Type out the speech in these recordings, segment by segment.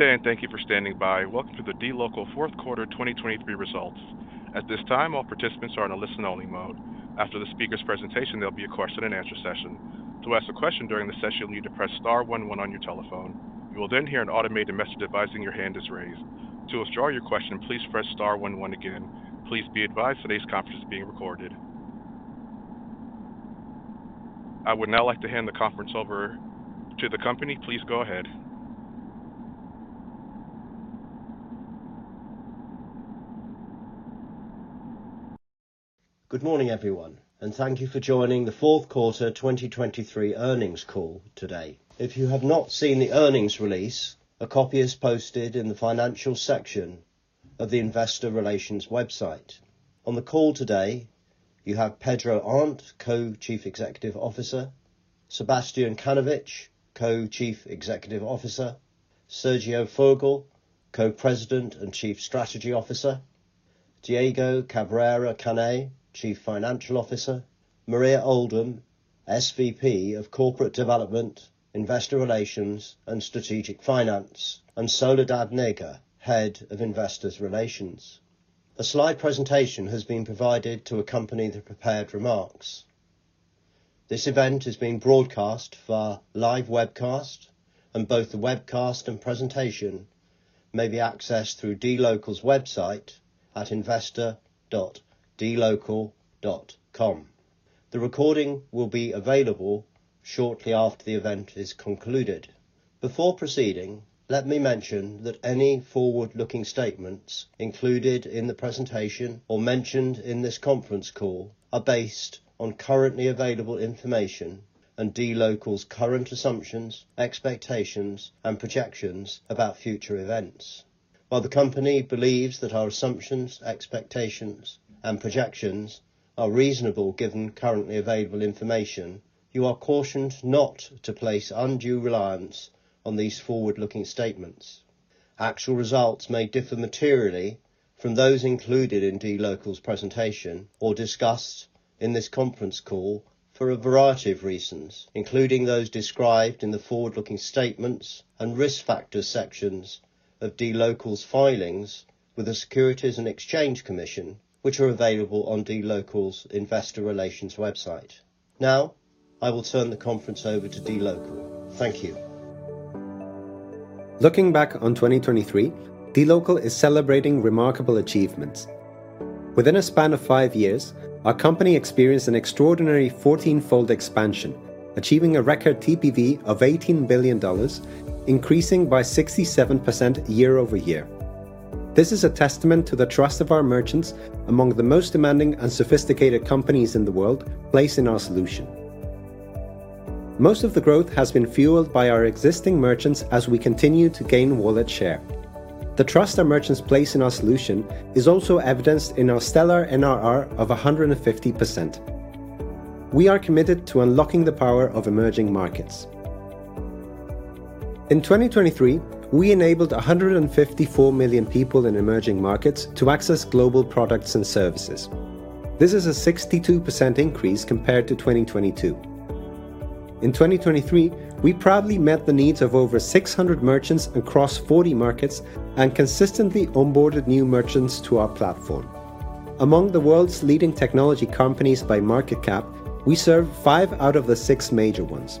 Good day, and thank you for standing by. Welcome to the dLocal Q4 2023 results. At this time, all participants are in a listen-only mode. After the speaker's presentation, there'll be a question and answer session. To ask a question during the session, you'll need to press star one one on your telephone. You will then hear an automated message advising your hand is raised. To withdraw your question, please press star one one again. Please be advised, today's conference is being recorded. I would now like to hand the conference over to the company. Please go ahead. Good morning, everyone, and thank you for joining the Q4 2023 earnings call today. If you have not seen the earnings release, a copy is posted in the financial section of the Investor Relations website. On the call today, you have Pedro Arnt, Co-Chief Executive Officer, Sebastián Kanovich, Co-Chief Executive Officer, Sergio Fogel, Co-President and Chief Strategy Officer, Diego Cabrera Canay, Chief Financial Officer, Maria Oldham, SVP of Corporate Development, Investor Relations, and Strategic Finance, and Soledad Naka, Head of Investor Relations. A slide presentation has been provided to accompany the prepared remarks. This event is being broadcast via live webcast, and both the webcast and presentation may be accessed through dLocal's website at investor.dlocal.com. The recording will be available shortly after the event is concluded. Before proceeding, let me mention that any forward-looking statements included in the presentation or mentioned in this conference call are based on currently available information and dLocal's current assumptions, expectations, and projections about future events. While the company believes that our assumptions, expectations, and projections are reasonable given currently available information, you are cautioned not to place undue reliance on these forward-looking statements. Actual results may differ materially from those included in dLocal's presentation or discussed in this conference call for a variety of reasons, including those described in the forward-looking statements and risk factors sections of dLocal's filings with the Securities and Exchange Commission, which are available on dLocal's Investor Relations website. Now, I will turn the conference over to dLocal. Thank you. Looking back on 2023, dLocal is celebrating remarkable achievements. Within a span of 5 years, our company experienced an extraordinary 14-fold expansion, achieving a record TPV of $18 billion, increasing by 67% year-over-year. This is a testament to the trust of our merchants, among the most demanding and sophisticated companies in the world, place in our solution. Most of the growth has been fueled by our existing merchants as we continue to gain wallet share. The trust our merchants place in our solution is also evidenced in our stellar NRR of 150%. We are committed to unlocking the power of emerging markets. In 2023, we enabled 154 million people in emerging markets to access global products and services. This is a 62% increase compared to 2022. In 2023, we proudly met the needs of over 600 merchants across 40 markets and consistently onboarded new merchants to our platform. Among the world's leading technology companies by market cap, we serve 5 out of the 6 major ones.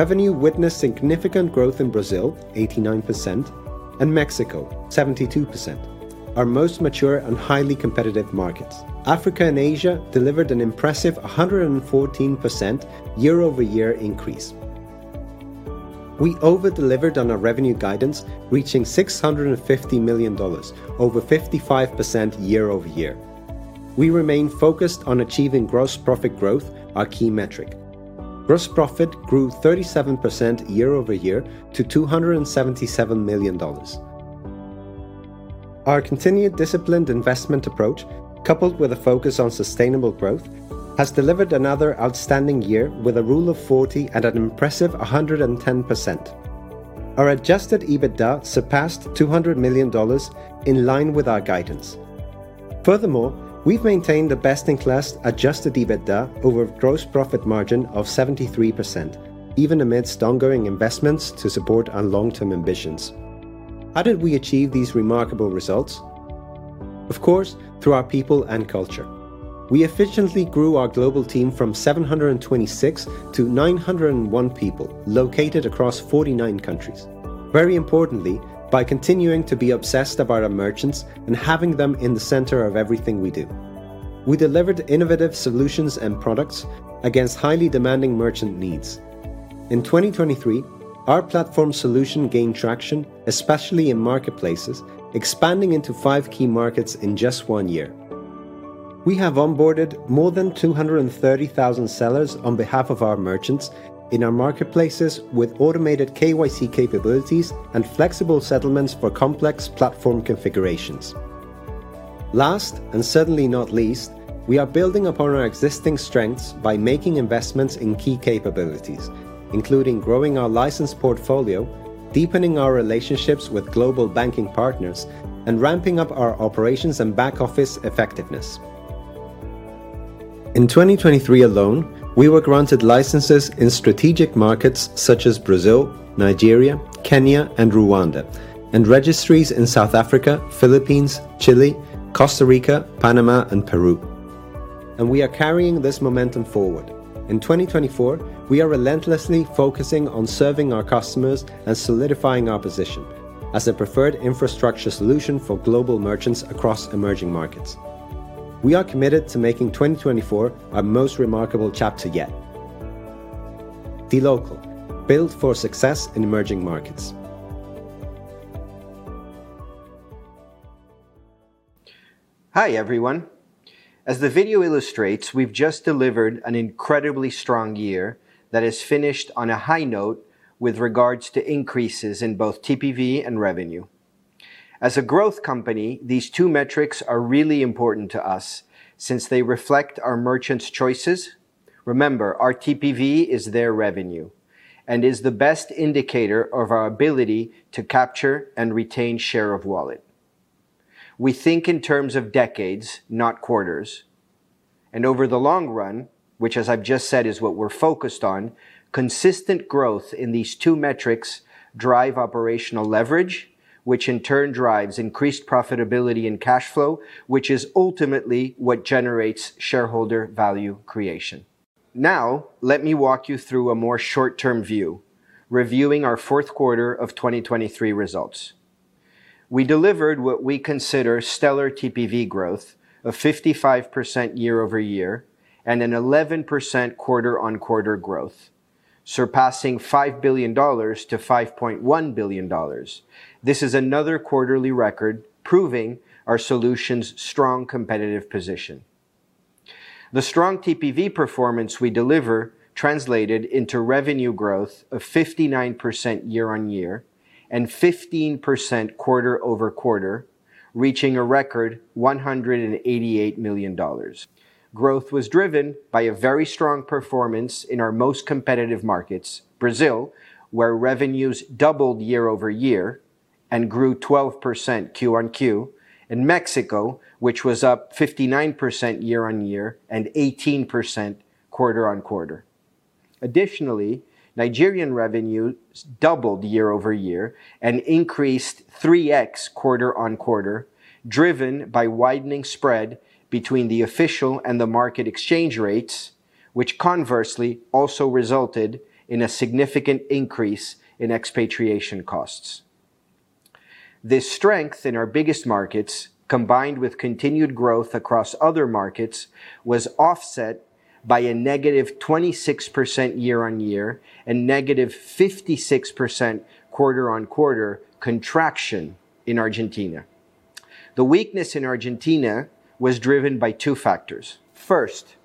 Revenue witnessed significant growth in Brazil, 89%, and Mexico, 72%, our most mature and highly competitive markets. Africa and Asia delivered an impressive 114% year-over-year increase. We over-delivered on our revenue guidance, reaching $650 million, over 55% year-over-year. We remain focused on achieving gross profit growth, our key metric. Gross profit grew 37% year-over-year to $277 million. Our continued disciplined investment approach, coupled with a focus on sustainable growth, has delivered another outstanding year with a Rule of 40 at an impressive 110%. Our Adjusted EBITDA surpassed $200 million in line with our guidance. Furthermore, we've maintained the best-in-class Adjusted EBITDA over gross profit margin of 73%, even amidst ongoing investments to support our long-term ambitions. How did we achieve these remarkable results? Of course, through our people and culture. We efficiently grew our global team from 726 to 901 people, located across 49 countries. Very importantly, by continuing to be obsessed about our merchants and having them in the center of everything we do. We delivered innovative solutions and products against highly demanding merchant needs. In 2023, our platform solution gained traction, especially in marketplaces, expanding into five key markets in just one year. We have onboarded more than 230,000 sellers on behalf of our merchants in our marketplaces with automated KYC capabilities and flexible settlements for complex platform configurations. Last, and certainly not least, we are building upon our existing strengths by making investments in key capabilities, including growing our license portfolio, deepening our relationships with global banking partners, and ramping up our operations and back office effectiveness. In 2023 alone, we were granted licenses in strategic markets such as Brazil, Nigeria, Kenya, and Rwanda, and registries in South Africa, Philippines, Chile, Costa Rica, Panama, and Peru. We are carrying this momentum forward. In 2024, we are relentlessly focusing on serving our customers and solidifying our position as a preferred infrastructure solution for global merchants across emerging markets. We are committed to making 2024 our most remarkable chapter yet. dLocal, built for success in emerging markets. Hi, everyone. As the video illustrates, we've just delivered an incredibly strong year that has finished on a high note with regards to increases in both TPV and revenue. As a growth company, these two metrics are really important to us since they reflect our merchants' choices. Remember, our TPV is their revenue and is the best indicator of our ability to capture and retain share of wallet. We think in terms of decades, not quarters, and over the long run, which as I've just said, is what we're focused on, consistent growth in these two metrics drive operational leverage, which in turn drives increased profitability and cash flow, which is ultimately what generates shareholder value creation. Now, let me walk you through a more short-term view, reviewing our Q4 of 2023 results. We delivered what we consider stellar TPV growth of 55% year-over-year and an 11% quarter-on-quarter growth, surpassing $5 billion to $5.1 billion. This is another quarterly record, proving our solution's strong competitive position. The strong TPV performance we deliver translated into revenue growth of 59% year-on-year and 15% quarter-over-quarter, reaching a record $188 million. Growth was driven by a very strong performance in our most competitive markets, Brazil, where revenues doubled year-over-year and grew 12% Q-on-Q, and Mexico, which was up 59% year-on-year and 18% quarter-on-quarter. Additionally, Nigerian revenues doubled year-over-year and increased 3x quarter-on-quarter, driven by widening spread between the official and the market exchange rates, which conversely also resulted in a significant increase in repatriation costs. This strength in our biggest markets, combined with continued growth across other markets, was offset by a -26% year-on-year and -56% quarter-on-quarter contraction in Argentina. The weakness in Argentina was driven by two factors. First,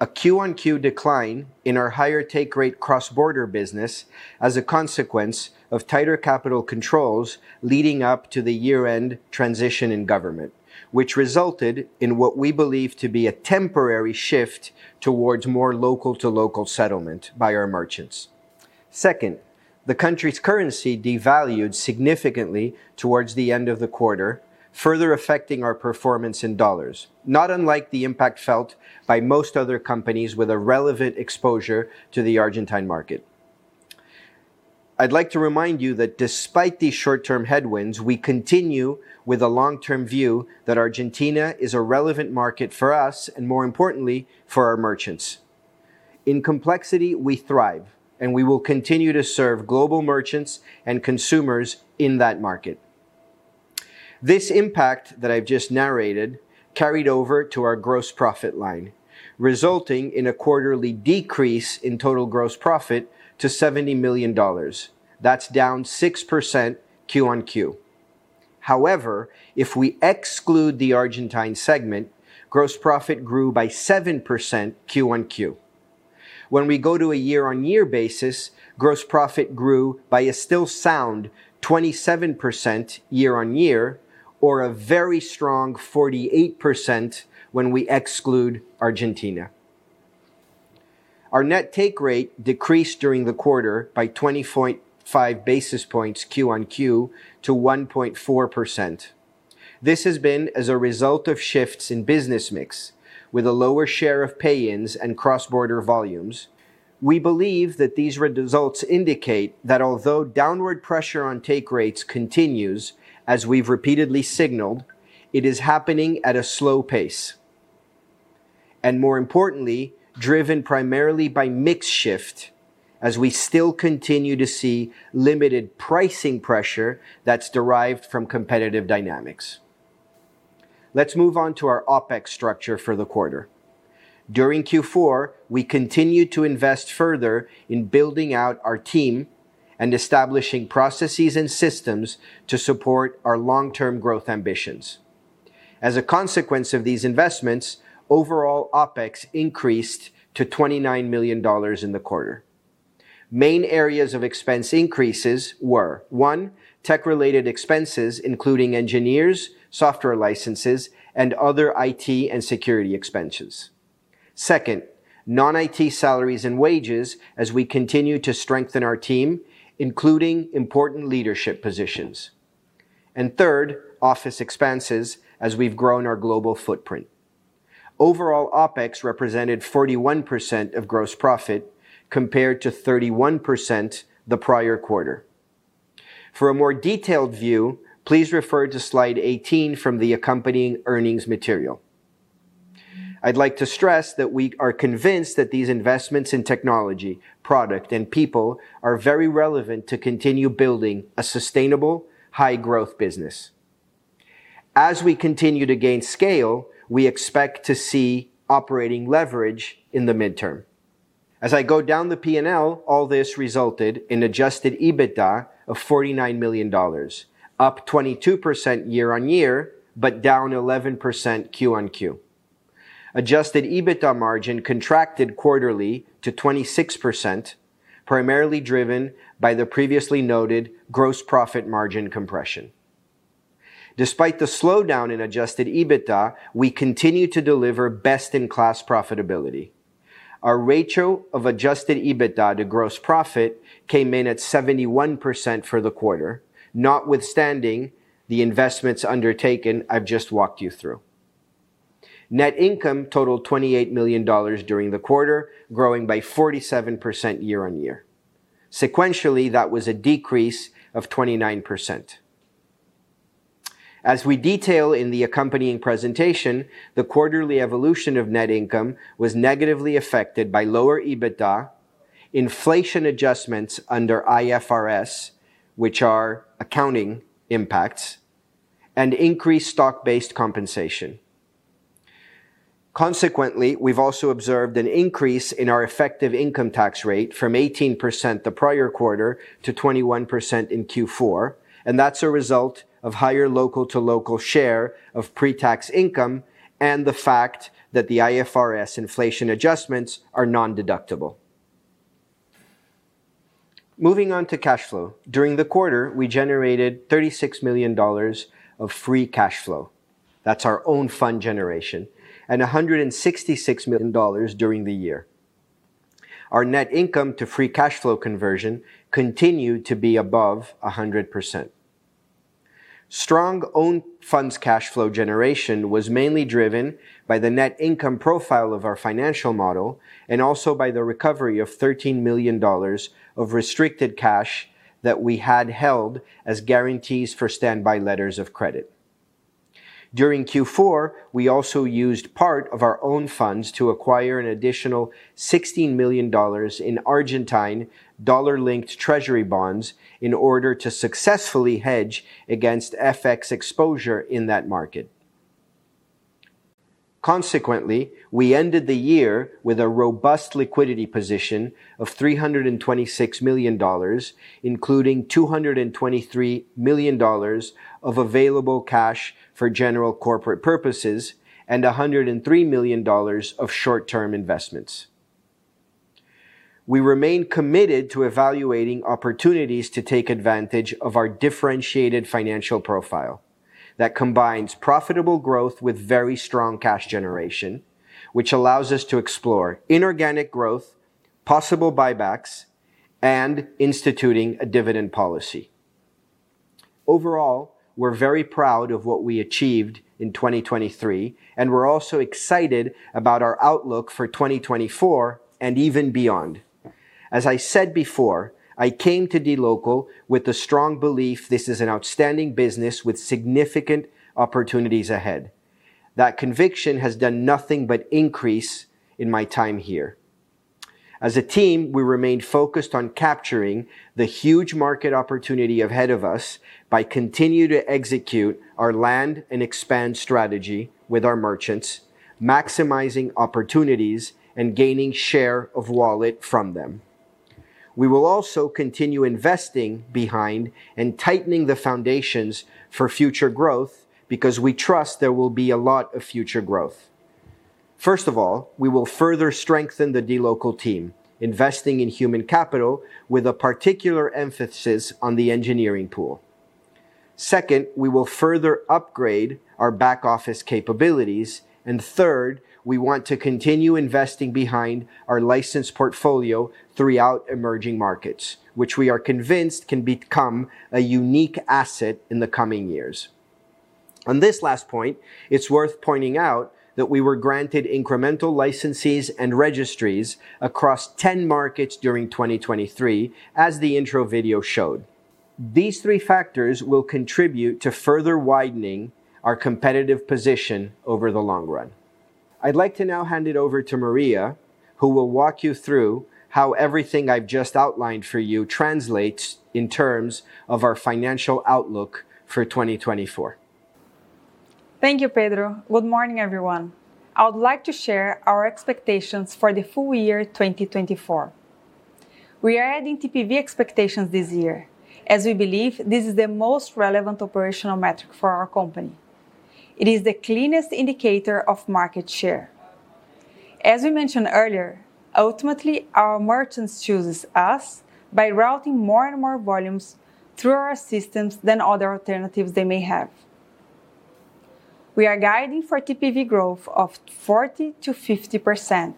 a Q-on-Q decline in our higher take rate cross-border business as a consequence of tighter capital controls leading up to the year-end transition in government, which resulted in what we believe to be a temporary shift towards more local-to-local settlement by our merchants. Second, the country's currency devalued significantly towards the end of the quarter, further affecting our performance in dollars, not unlike the impact felt by most other companies with a relevant exposure to the Argentine market. I'd like to remind you that despite these short-term headwinds, we continue with a long-term view that Argentina is a relevant market for us and, more importantly, for our merchants. In complexity, we thrive, and we will continue to serve global merchants and consumers in that market. This impact that I've just narrated carried over to our gross profit line, resulting in a quarterly decrease in total gross profit to $70 million. That's down 6% Q-on-Q. However, if we exclude the Argentine segment, gross profit grew by 7% Q-on-Q. When we go to a year-on-year basis, gross profit grew by a still sound 27% year-on-year, or a very strong 48% when we exclude Argentina. Our net take rate decreased during the quarter by 20.5 basis points Q-on-Q to 1.4%. This has been as a result of shifts in business mix, with a lower share of pay-ins and cross-border volumes. We believe that these results indicate that although downward pressure on take rates continues, as we've repeatedly signaled, it is happening at a slow pace, and more importantly, driven primarily by mix shift, as we still continue to see limited pricing pressure that's derived from competitive dynamics. Let's move on to our OpEx structure for the quarter. During Q4, we continued to invest further in building out our team and establishing processes and systems to support our long-term growth ambitions. As a consequence of these investments, overall, OpEx increased to $29 million in the quarter. Main areas of expense increases were, one, tech-related expenses, including engineers, software licenses, and other IT and security expenses. Second, non-IT salaries and wages, as we continue to strengthen our team, including important leadership positions... and third, office expenses as we've grown our global footprint. Overall, OpEx represented 41% of gross profit, compared to 31% the prior quarter. For a more detailed view, please refer to slide 18 from the accompanying earnings material. I'd like to stress that we are convinced that these investments in technology, product, and people are very relevant to continue building a sustainable, high-growth business. As we continue to gain scale, we expect to see operating leverage in the midterm. As I go down the P&L, all this resulted in Adjusted EBITDA of $49 million, up 22% year-over-year, but down 11% Q-on-Q. Adjusted EBITDA margin contracted quarterly to 26%, primarily driven by the previously noted gross profit margin compression. Despite the slowdown in Adjusted EBITDA, we continue to deliver best-in-class profitability. Our ratio of Adjusted EBITDA to gross profit came in at 71% for the quarter, notwithstanding the investments undertaken I've just walked you through. Net income totaled $28 million during the quarter, growing by 47% year-on-year. Sequentially, that was a decrease of 29%. As we detail in the accompanying presentation, the quarterly evolution of net income was negatively affected by lower EBITDA, inflation adjustments under IFRS, which are accounting impacts, and increased stock-based compensation. Consequently, we've also observed an increase in our effective income tax rate from 18% the prior quarter to 21% in Q4, and that's a result of higher local-to-local share of pre-tax income and the fact that the IFRS inflation adjustments are non-deductible. Moving on to cash flow. During the quarter, we generated $36 million of free cash flow. That's our own fund generation, and $166 million during the year. Our net income to free cash flow conversion continued to be above 100%. Strong own funds cash flow generation was mainly driven by the net income profile of our financial model, and also by the recovery of $13 million of restricted cash that we had held as guarantees for standby letters of credit. During Q4, we also used part of our own funds to acquire an additional $16 million in Argentine dollar-linked treasury bonds in order to successfully hedge against FX exposure in that market. Consequently, we ended the year with a robust liquidity position of $326 million, including $223 million of available cash for general corporate purposes and $103 million of short-term investments. We remain committed to evaluating opportunities to take advantage of our differentiated financial profile that combines profitable growth with very strong cash generation, which allows us to explore inorganic growth, possible buybacks, and instituting a dividend policy. Overall, we're very proud of what we achieved in 2023, and we're also excited about our outlook for 2024 and even beyond. As I said before, I came to dLocal with the strong belief this is an outstanding business with significant opportunities ahead. That conviction has done nothing but increase in my time here. As a team, we remain focused on capturing the huge market opportunity ahead of us by continue to execute our land and expand strategy with our merchants, maximizing opportunities, and gaining share of wallet from them. We will also continue investing behind and tightening the foundations for future growth because we trust there will be a lot of future growth. First of all, we will further strengthen the dLocal team, investing in human capital with a particular emphasis on the engineering pool. Second, we will further upgrade our back-office capabilities. And third, we want to continue investing behind our licensed portfolio throughout emerging markets, which we are convinced can become a unique asset in the coming years. On this last point, it's worth pointing out that we were granted incremental licenses and registries across 10 markets during 2023, as the intro video showed. These three factors will contribute to further widening our competitive position over the long run. I'd like to now hand it over to Maria, who will walk you through how everything I've just outlined for you translates in terms of our financial outlook for 2024. Thank you, Pedro. Good morning, everyone. I would like to share our expectations for the full year 2024. We are adding TPV expectations this year, as we believe this is the most relevant operational metric for our company. It is the cleanest indicator of market share. As we mentioned earlier, ultimately, our merchants chooses us by routing more and more volumes through our systems than other alternatives they may have.... We are guiding for TPV growth of 40%-50%,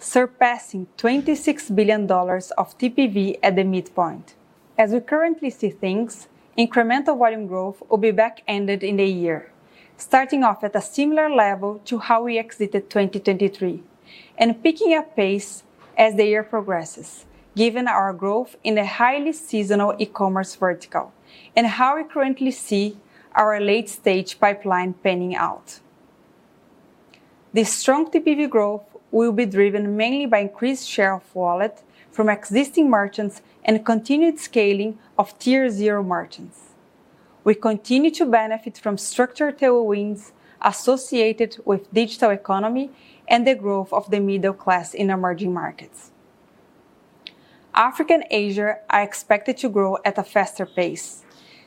surpassing $26 billion of TPV at the midpoint. As we currently see things, incremental volume growth will be back-ended in the year, starting off at a similar level to how we exited 2023, and picking up pace as the year progresses, given our growth in the highly seasonal e-commerce vertical and how we currently see our late-stage pipeline panning out. This strong TPV growth will be driven mainly by increased share of wallet from existing merchants and continued scaling of Tier Zero merchants. We continue to benefit from structural tailwinds associated with digital economy and the growth of the middle class in emerging markets. Africa and Asia are expected to grow at a faster pace,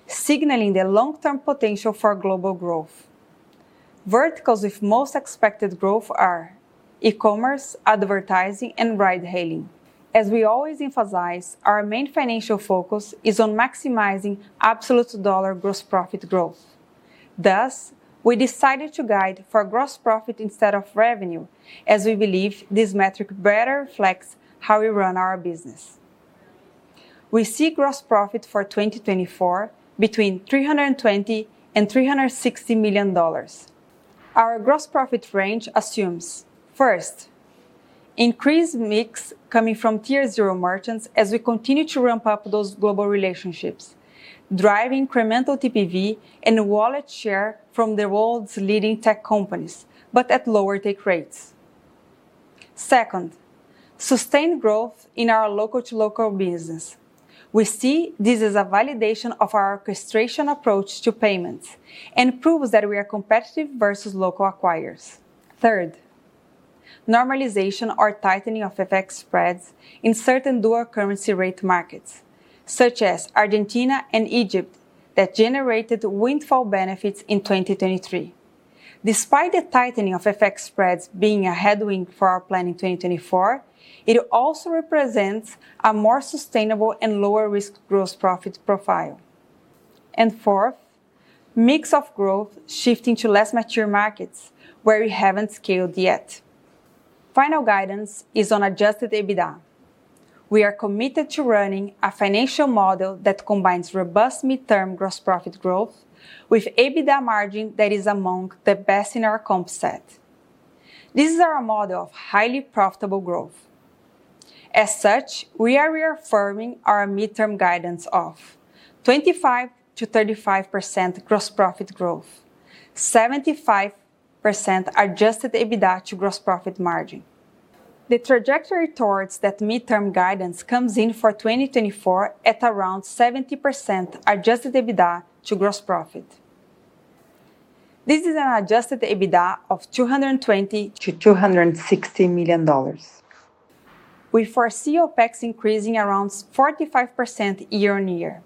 signaling the long-term potential for global growth. Verticals with most expected growth are e-commerce, advertising, and ride-hailing. As we always emphasize, our main financial focus is on maximizing absolute dollar gross profit growth, thus, we decided to guide for gross profit instead of revenue, as we believe this metric better reflects how we run our business. We see gross profit for 2024 between $320 million and $360 million. Our gross profit range assumes, first, increased mix coming from Tier Zero merchants as we continue to ramp up those global relationships, driving incremental TPV and wallet share from the world's leading tech companies, but at lower take rates. Second, sustained growth in our local-to-local business. We see this as a validation of our orchestration approach to payments and proves that we are competitive versus local acquirers. Third, normalization or tightening of FX spreads in certain dual currency rate markets, such as Argentina and Egypt, that generated windfall benefits in 2023. Despite the tightening of FX spreads being a headwind for our planning in 2024, it also represents a more sustainable and lower-risk gross profit profile. And fourth, mix of growth shifting to less mature markets where we haven't scaled yet. Final guidance is on Adjusted EBITDA. We are committed to running a financial model that combines robust midterm gross profit growth with EBITDA margin that is among the best in our comp set. This is our model of highly profitable growth. As such, we are reaffirming our midterm guidance of 25%-35% gross profit growth, 75% Adjusted EBITDA to gross profit margin. The trajectory towards that midterm guidance comes in for 2024 at around 70% Adjusted EBITDA to gross profit. This is an Adjusted EBITDA of $220 million-$260 million. We foresee OpEx increasing around 45% year-on-year.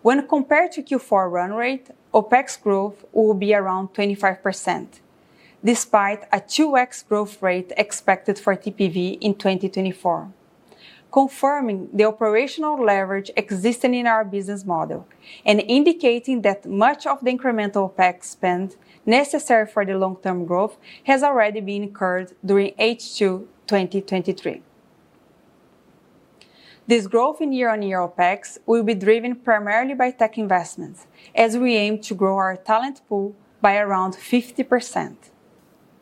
When compared to Q4 run rate, OpEx growth will be around 25%, despite a 2x growth rate expected for TPV in 2024, confirming the operational leverage existing in our business model and indicating that much of the incremental OpEx spend necessary for the long-term growth has already been incurred during H2 2023. This growth in year-on-year OpEx will be driven primarily by tech investments, as we aim to grow our talent pool by around 50%.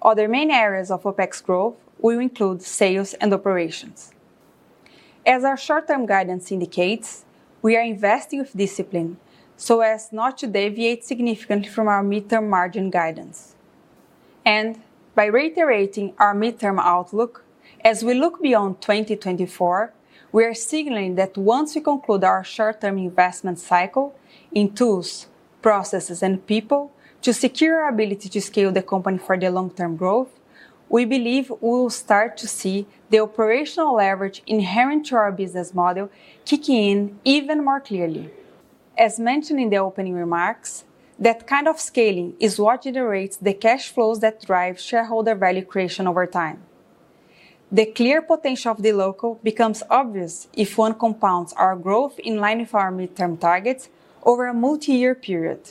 Other main areas of OpEx growth will include sales and operations. As our short-term guidance indicates, we are investing with discipline so as not to deviate significantly from our midterm margin guidance. By reiterating our midterm outlook, as we look beyond 2024, we are signaling that once we conclude our short-term investment cycle in tools, processes, and people to secure our ability to scale the company for the long-term growth, we believe we will start to see the operational leverage inherent to our business model kicking in even more clearly. As mentioned in the opening remarks, that kind of scaling is what generates the cash flows that drive shareholder value creation over time. The clear potential of dLocal becomes obvious if one compounds our growth in line with our midterm targets over a multi-year period.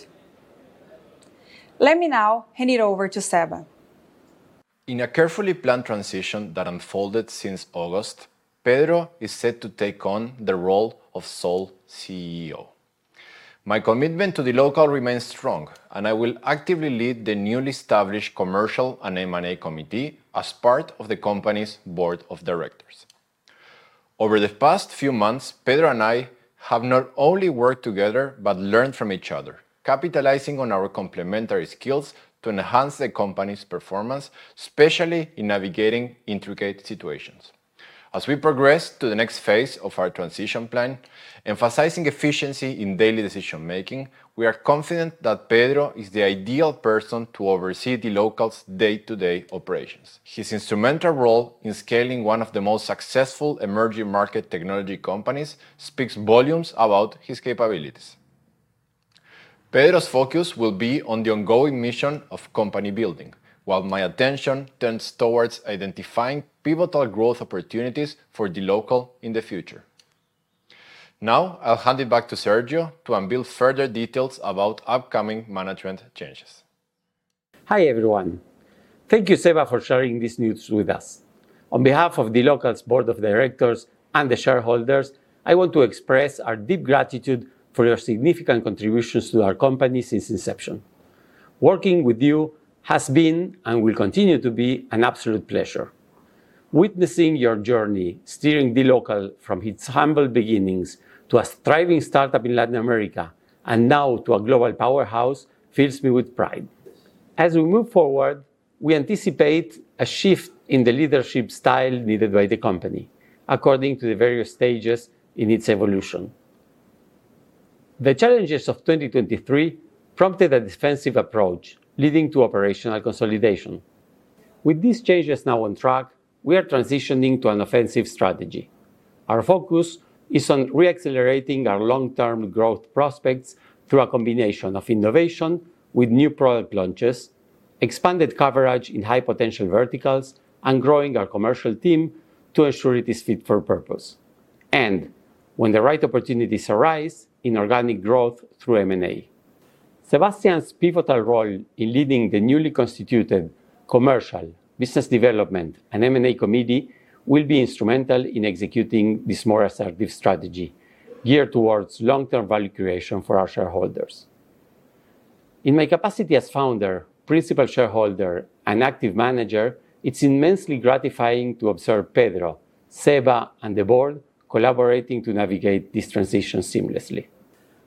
Let me now hand it over to Seba. In a carefully planned transition that unfolded since August, Pedro is set to take on the role of sole CEO. My commitment to dLocal remains strong, and I will actively lead the newly established Commercial and M&A Committee as part of the company's board of directors. Over the past few months, Pedro and I have not only worked together, but learned from each other, capitalizing on our complementary skills to enhance the company's performance, especially in navigating intricate situations. As we progress to the next phase of our transition plan, emphasizing efficiency in daily decision-making, we are confident that Pedro is the ideal person to oversee dLocal's day-to-day operations. His instrumental role in scaling one of the most successful emerging market technology companies speaks volumes about his capabilities. Pedro's focus will be on the ongoing mission of company building, while my attention turns towards identifying pivotal growth opportunities for dLocal in the future... Now, I'll hand it back to Sergio to unveil further details about upcoming management changes. Hi, everyone. Thank you, Seba, for sharing this news with us. On behalf of dLocal's board of directors and the shareholders, I want to express our deep gratitude for your significant contributions to our company since inception. Working with you has been, and will continue to be, an absolute pleasure. Witnessing your journey, steering dLocal from its humble beginnings to a thriving startup in Latin America, and now to a global powerhouse, fills me with pride. As we move forward, we anticipate a shift in the leadership style needed by the company according to the various stages in its evolution. The challenges of 2023 prompted a defensive approach, leading to operational consolidation. With these changes now on track, we are transitioning to an offensive strategy. Our focus is on re-accelerating our long-term growth prospects through a combination of innovation with new product launches, expanded coverage in high-potential verticals, and growing our commercial team to ensure it is fit for purpose, and when the right opportunities arise, inorganic growth through M&A. Sebastián's pivotal role in leading the newly constituted commercial, business development, and M&A committee will be instrumental in executing this more assertive strategy, geared towards long-term value creation for our shareholders. In my capacity as founder, principal shareholder, and active manager, it's immensely gratifying to observe Pedro, Seba, and the board collaborating to navigate this transition seamlessly.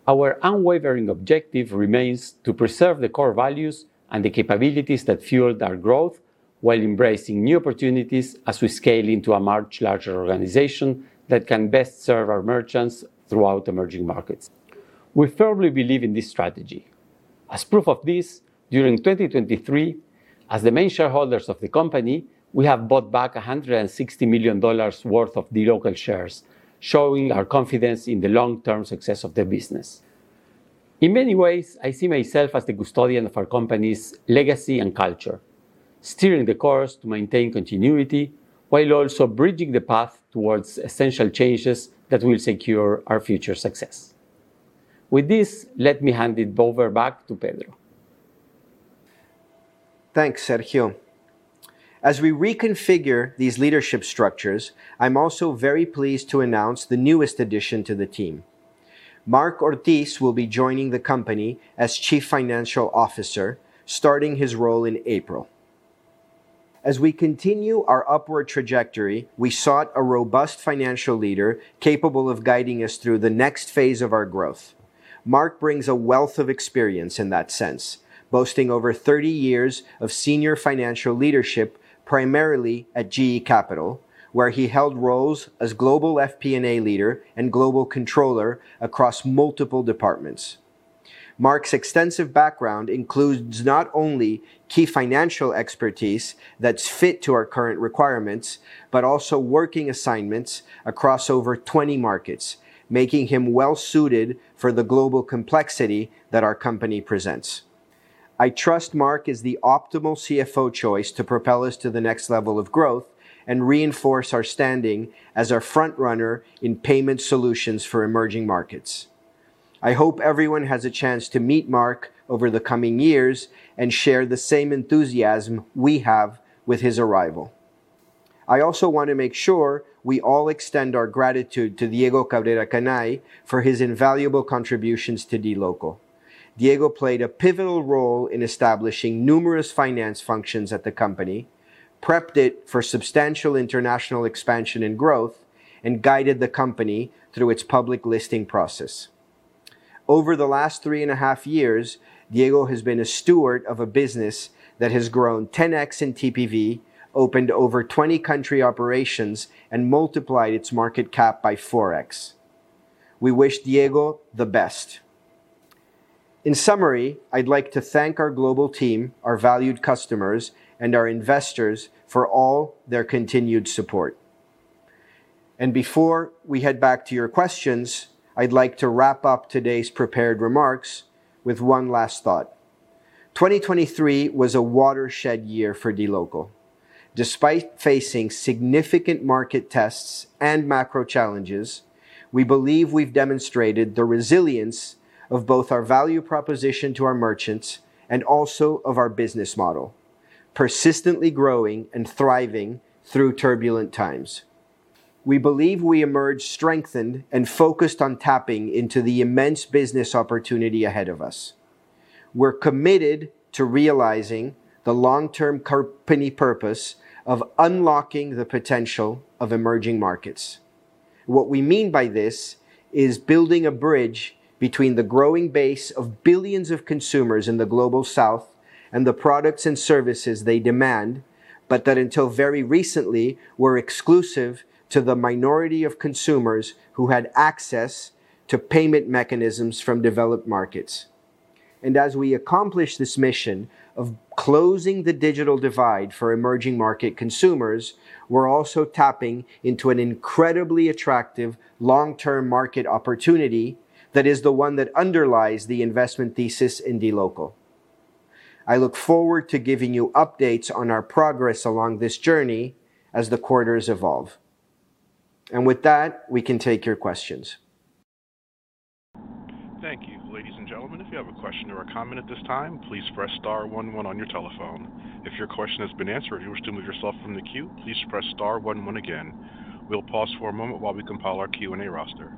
Our unwavering objective remains to preserve the core values and the capabilities that fueled our growth while embracing new opportunities as we scale into a much larger organization that can best serve our merchants throughout emerging markets. We firmly believe in this strategy. As proof of this, during 2023, as the main shareholders of the company, we have bought back $160 million worth of dLocal shares, showing our confidence in the long-term success of the business. In many ways, I see myself as the custodian of our company's legacy and culture, steering the course to maintain continuity, while also bridging the path towards essential changes that will secure our future success. With this, let me hand it over back to Pedro. Thanks, Sergio. As we reconfigure these leadership structures, I'm also very pleased to announce the newest addition to the team. Mark Ortiz will be joining the company as Chief Financial Officer, starting his role in April. As we continue our upward trajectory, we sought a robust financial leader capable of guiding us through the next phase of our growth. Mark brings a wealth of experience in that sense, boasting over 30 years of senior financial leadership, primarily at GE Capital, where he held roles as global FP&A leader and global controller across multiple departments. Mark's extensive background includes not only key financial expertise that's fit to our current requirements, but also working assignments across over 20 markets, making him well-suited for the global complexity that our company presents. I trust Mark is the optimal CFO choice to propel us to the next level of growth and reinforce our standing as a frontrunner in payment solutions for emerging markets. I hope everyone has a chance to meet Mark over the coming years and share the same enthusiasm we have with his arrival. I also want to make sure we all extend our gratitude to Diego Cabrera Canay for his invaluable contributions to dLocal. Diego played a pivotal role in establishing numerous finance functions at the company, prepped it for substantial international expansion and growth, and guided the company through its public listing process. Over the last three and a half years, Diego has been a steward of a business that has grown 10x in TPV, opened over 20 country operations, and multiplied its market cap by 4x. We wish Diego the best. In summary, I'd like to thank our global team, our valued customers, and our investors for all their continued support. Before we head back to your questions, I'd like to wrap up today's prepared remarks with one last thought. 2023 was a watershed year for dLocal. Despite facing significant market tests and macro challenges, we believe we've demonstrated the resilience of both our value proposition to our merchants and also of our business model, persistently growing and thriving through turbulent times. We believe we emerge strengthened and focused on tapping into the immense business opportunity ahead of us. We're committed to realizing the long-term company purpose of unlocking the potential of emerging markets. What we mean by this is building a bridge between the growing base of billions of consumers in the Global South and the products and services they demand, but that, until very recently, were exclusive to the minority of consumers who had access to payment mechanisms from developed markets. And as we accomplish this mission of closing the digital divide for emerging market consumers, we're also tapping into an incredibly attractive long-term market opportunity that is the one that underlies the investment thesis in dLocal.... I look forward to giving you updates on our progress along this journey as the quarters evolve. With that, we can take your questions. Thank you. Ladies and gentlemen, if you have a question or a comment at this time, please press star one one on your telephone. If your question has been answered, or you wish to move yourself from the queue, please press star one one again. We'll pause for a moment while we compile our Q&A roster.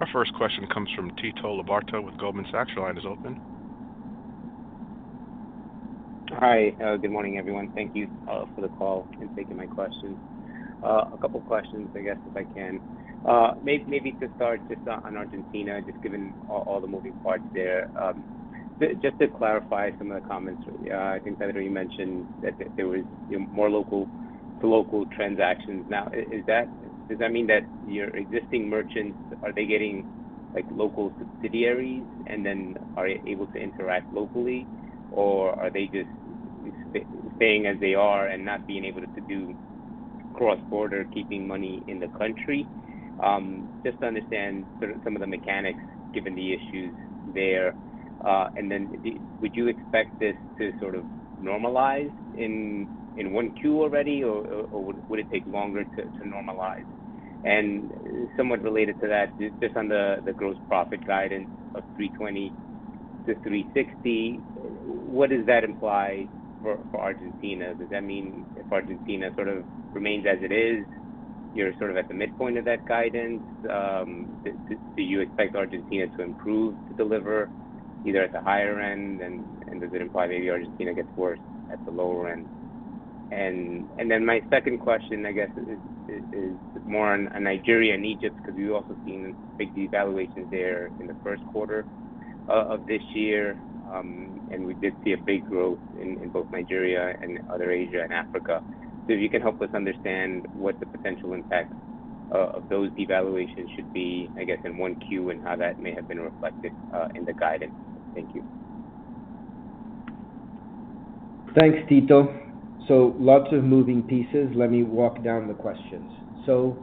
Our first question comes from Tito Labarta with Goldman Sachs. Your line is open. Hi. Good morning, everyone. Thank you for the call and taking my question. A couple questions, I guess, if I can. Maybe to start just on Argentina, just given all the moving parts there. Just to clarify some of the comments, I think Pedro, you mentioned that there was more local-to-local transactions. Now, is that—does that mean that your existing merchants, are they getting, like, local subsidiaries and then are able to interact locally? Or are they just staying as they are and not being able to do cross-border, keeping money in the country? Just to understand sort of some of the mechanics, given the issues there. And then the... Would you expect this to sort of normalize in one Q already, or would it take longer to normalize? And somewhat related to that, just on the gross profit guidance of $320-$360, what does that imply for Argentina? Does that mean if Argentina sort of remains as it is, you're sort of at the midpoint of that guidance? Do you expect Argentina to improve, to deliver either at the higher end? And does it imply maybe Argentina gets worse at the lower end? And then my second question, I guess, is more on Nigeria and Egypt, because we've also seen big devaluations there in the Q1 of this year. And we did see a big growth in both Nigeria and other Asia and Africa. So if you can help us understand what the potential impact of those devaluations should be, I guess, in one Q, and how that may have been reflected in the guidance? Thank you. Thanks, Tito. So lots of moving pieces. Let me walk down the questions. So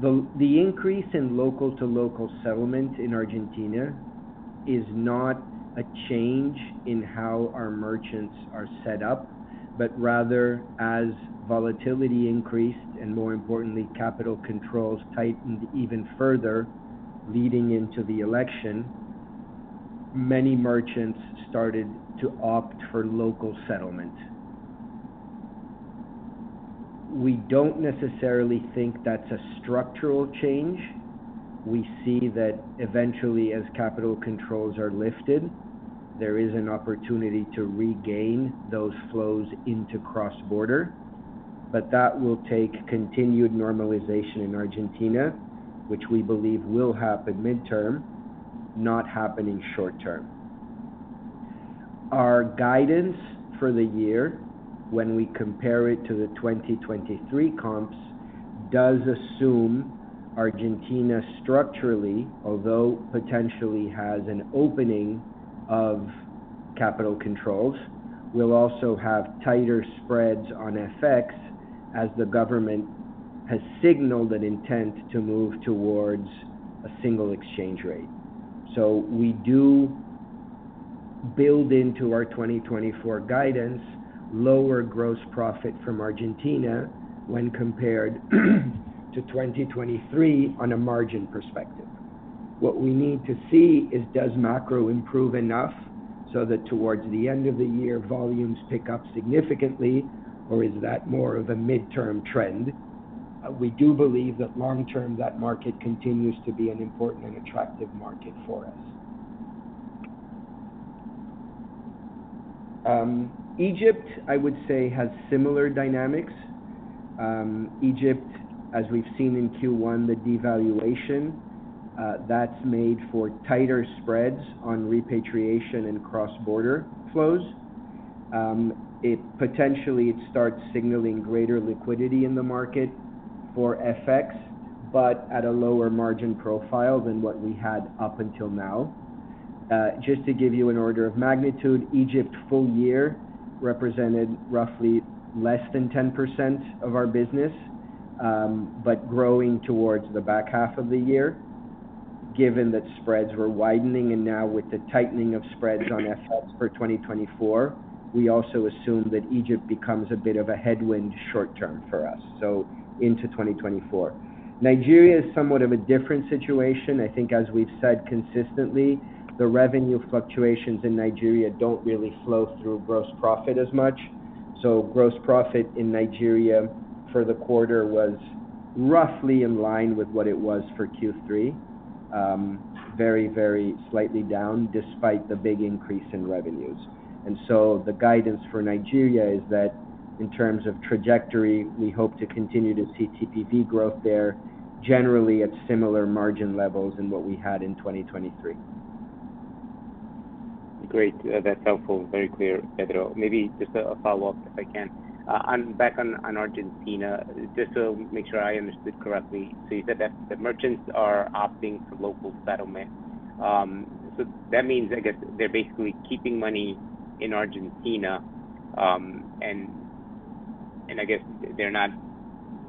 the increase in local-to-local settlement in Argentina is not a change in how our merchants are set up, but rather as volatility increased, and more importantly, capital controls tightened even further leading into the election, many merchants started to opt for local settlement. We don't necessarily think that's a structural change. We see that eventually, as capital controls are lifted, there is an opportunity to regain those flows into cross-border, but that will take continued normalization in Argentina, which we believe will happen midterm, not happen in short term. Our guidance for the year, when we compare it to the 2023 comps, does assume Argentina structurally, although potentially has an opening of capital controls, will also have tighter spreads on FX as the government has signaled an intent to move towards a single exchange rate. So we do build into our 2024 guidance, lower gross profit from Argentina when compared to 2023 on a margin perspective. What we need to see is, does macro improve enough so that towards the end of the year, volumes pick up significantly, or is that more of a midterm trend? We do believe that long term, that market continues to be an important and attractive market for us. Egypt, I would say, has similar dynamics. Egypt, as we've seen in Q1, the devaluation, that's made for tighter spreads on repatriation and cross-border flows. It potentially starts signaling greater liquidity in the market for FX, but at a lower margin profile than what we had up until now. Just to give you an order of magnitude, Egypt full year represented roughly less than 10% of our business, but growing towards the back half of the year, given that spreads were widening, and now with the tightening of spreads on FX for 2024, we also assume that Egypt becomes a bit of a headwind short term for us, so into 2024. Nigeria is somewhat of a different situation. I think as we've said consistently, the revenue fluctuations in Nigeria don't really flow through gross profit as much. So gross profit in Nigeria for the quarter was roughly in line with what it was for Q3, very, very slightly down, despite the big increase in revenues. The guidance for Nigeria is that in terms of trajectory, we hope to continue to see TPV growth there, generally at similar margin levels in what we had in 2023. Great. That's helpful. Very clear, Pedro. Maybe just a follow-up, if I can. Back on Argentina, just to make sure I understood correctly, so you said that the merchants are opting for local settlement. So that means, I guess they're basically keeping money in Argentina, and I guess they're not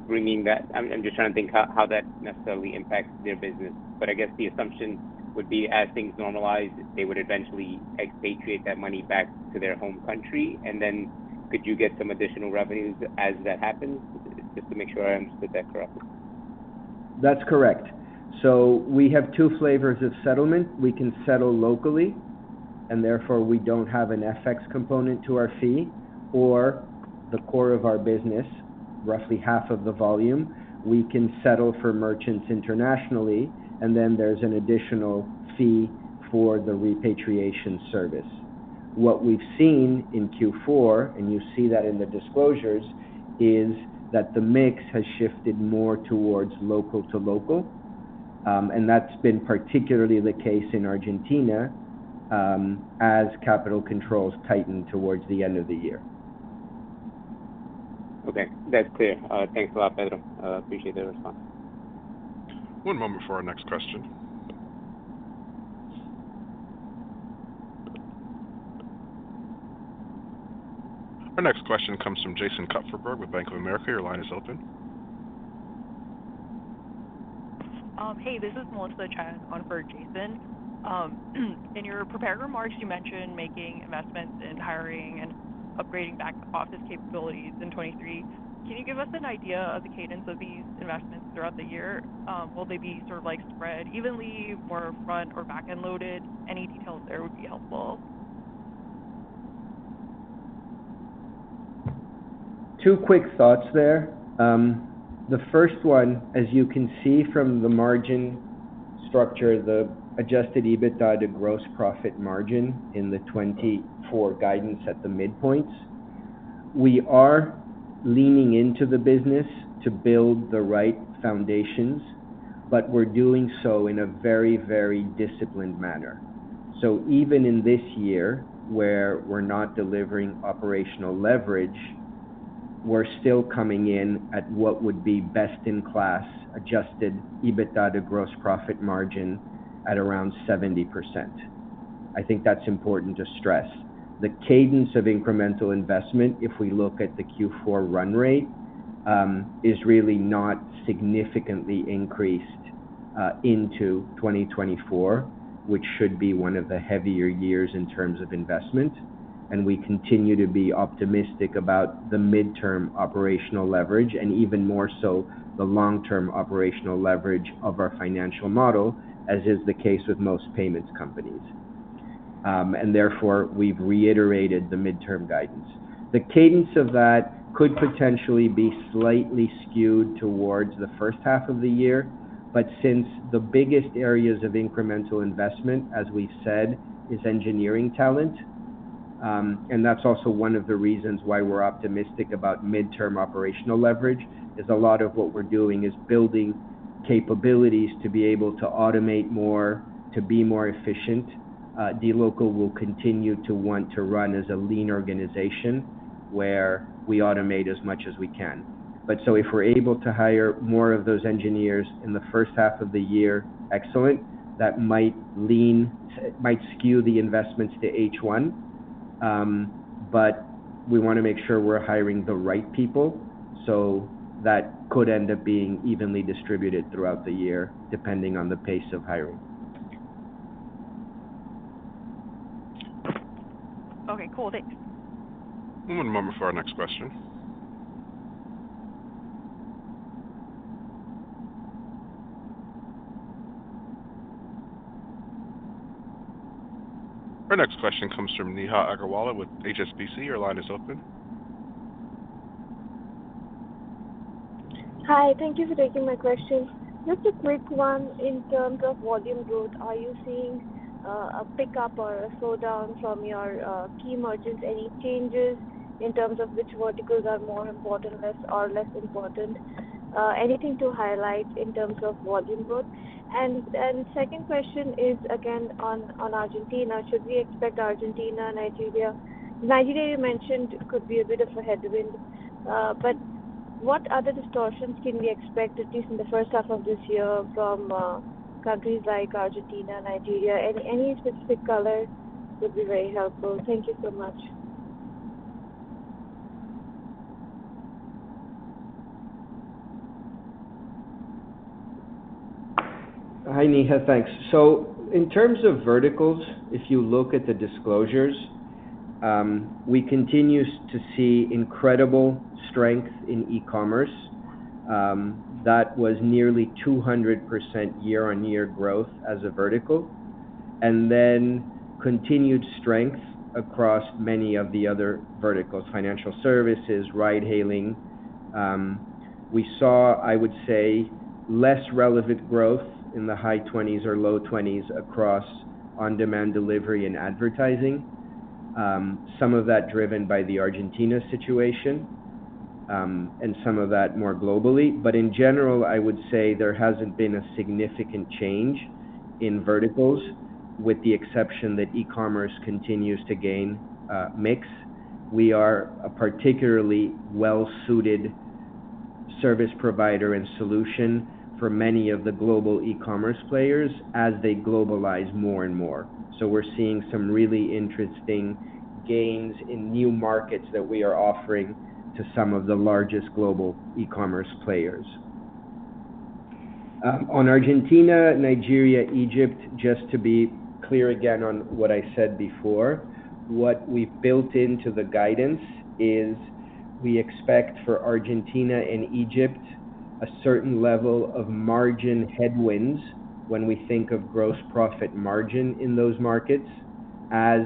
bringing that, I'm just trying to think how that necessarily impacts their business. But I guess the assumption would be, as things normalize, they would eventually expatriate that money back to their home country, and then could you get some additional revenues as that happens? Just to make sure I understood that correctly. That's correct. So we have two flavors of settlement. We can settle locally, and therefore, we don't have an FX component to our fee, or the core of our business, roughly half of the volume, we can settle for merchants internationally, and then there's an additional fee for the repatriation service. What we've seen in Q4, and you see that in the disclosures, is that the mix has shifted more towards local-to-local. And that's been particularly the case in Argentina, as capital controls tightened towards the end of the year. Okay, that's clear. Thanks a lot, Pedro. I appreciate the response. One moment before our next question. Our next question comes from Jason Kupferberg with Bank of America. Your line is open. Hey, this is Melissa Cha on for Jason. In your prepared remarks, you mentioned making investments in hiring and upgrading back office capabilities in 2023. Can you give us an idea of the cadence of these investments throughout the year? Will they be sort of, like, spread evenly or front or back-end loaded? Any details there would be helpful. Two quick thoughts there. The first one, as you can see from the margin structure, the Adjusted EBITDA to gross profit margin in the 2024 guidance at the midpoints, we are leaning into the business to build the right foundations, but we're doing so in a very, very disciplined manner. So even in this year, where we're not delivering operational leverage, we're still coming in at what would be best-in-class Adjusted EBITDA to gross profit margin at around 70%. I think that's important to stress. The cadence of incremental investment, if we look at the Q4 run rate, is really not significantly increased, into 2024, which should be one of the heavier years in terms of investment, and we continue to be optimistic about the midterm operational leverage, and even more so, the long-term operational leverage of our financial model, as is the case with most payments companies. Therefore, we've reiterated the midterm guidance. The cadence of that could potentially be slightly skewed toward the first half of the year, but since the biggest areas of incremental investment, as we've said, is engineering talent, and that's also one of the reasons why we're optimistic about midterm operational leverage, is a lot of what we're doing is building capabilities to be able to automate more, to be more efficient. dLocal will continue to want to run as a lean organization, where we automate as much as we can. But so if we're able to hire more of those engineers in the first half of the year, excellent, that might skew the investments to H1. But we wanna make sure we're hiring the right people, so that could end up being evenly distributed throughout the year, depending on the pace of hiring. Okay, cool. Thanks. One moment before our next question. Our next question comes from Neha Agarwala with HSBC. Your line is open. Hi, thank you for taking my question. Just a quick one. In terms of volume growth, are you seeing a pickup or a slowdown from your key merchants? Any changes in terms of which verticals are more important, less or less important? Anything to highlight in terms of volume growth. And second question is, again, on Argentina. Should we expect Argentina, Nigeria, Nigeria, you mentioned, could be a bit of a headwind, but what other distortions can we expect, at least in the first half of this year, from countries like Argentina, Nigeria? Any specific color would be very helpful. Thank you so much. Hi, Neha. Thanks. So in terms of verticals, if you look at the disclosures, we continue to see incredible strength in e-commerce. That was nearly 200% year-on-year growth as a vertical, and then continued strength across many of the other verticals, financial services, ride hailing. We saw, I would say, less relevant growth in the high 20s or low 20s across on-demand delivery and advertising. Some of that driven by the Argentina situation, and some of that more globally. But in general, I would say there hasn't been a significant change in verticals, with the exception that e-commerce continues to gain mix. We are a particularly well-suited service provider and solution for many of the global e-commerce players as they globalize more and more. So we're seeing some really interesting gains in new markets that we are offering to some of the largest global e-commerce players. On Argentina, Nigeria, Egypt, just to be clear again on what I said before, what we've built into the guidance is we expect for Argentina and Egypt, a certain level of margin headwinds when we think of gross profit margin in those markets, as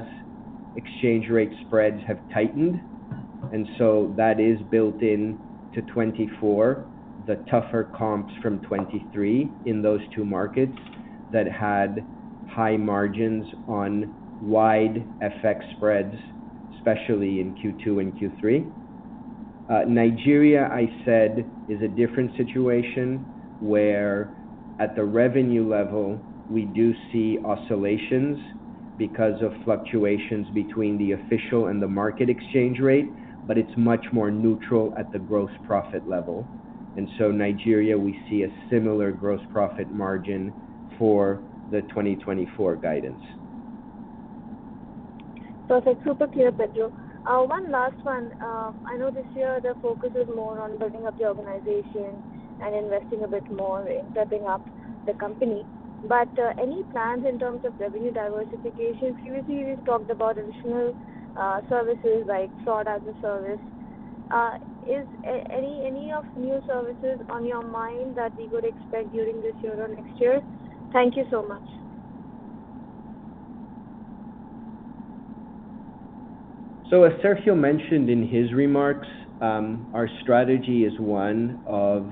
exchange rate spreads have tightened. And so that is built in to 2024, the tougher comps from 2023 in those two markets that had high margins on wide FX spreads, especially in Q2 and Q3. Nigeria, I said, is a different situation where at the revenue level, we do see oscillations because of fluctuations between the official and the market exchange rate, but it's much more neutral at the gross profit level. Nigeria, we see a similar gross profit margin for the 2024 guidance. Perfect. Super clear, Pedro. One last one. I know this year the focus is more on building up the organization and investing a bit more in prepping up the company, but any plans in terms of revenue diversification? KYC, we've talked about additional services like SaaS as a service. Is any new services on your mind that we would expect during this year or next year? Thank you so much. So as Sergio mentioned in his remarks, our strategy is one of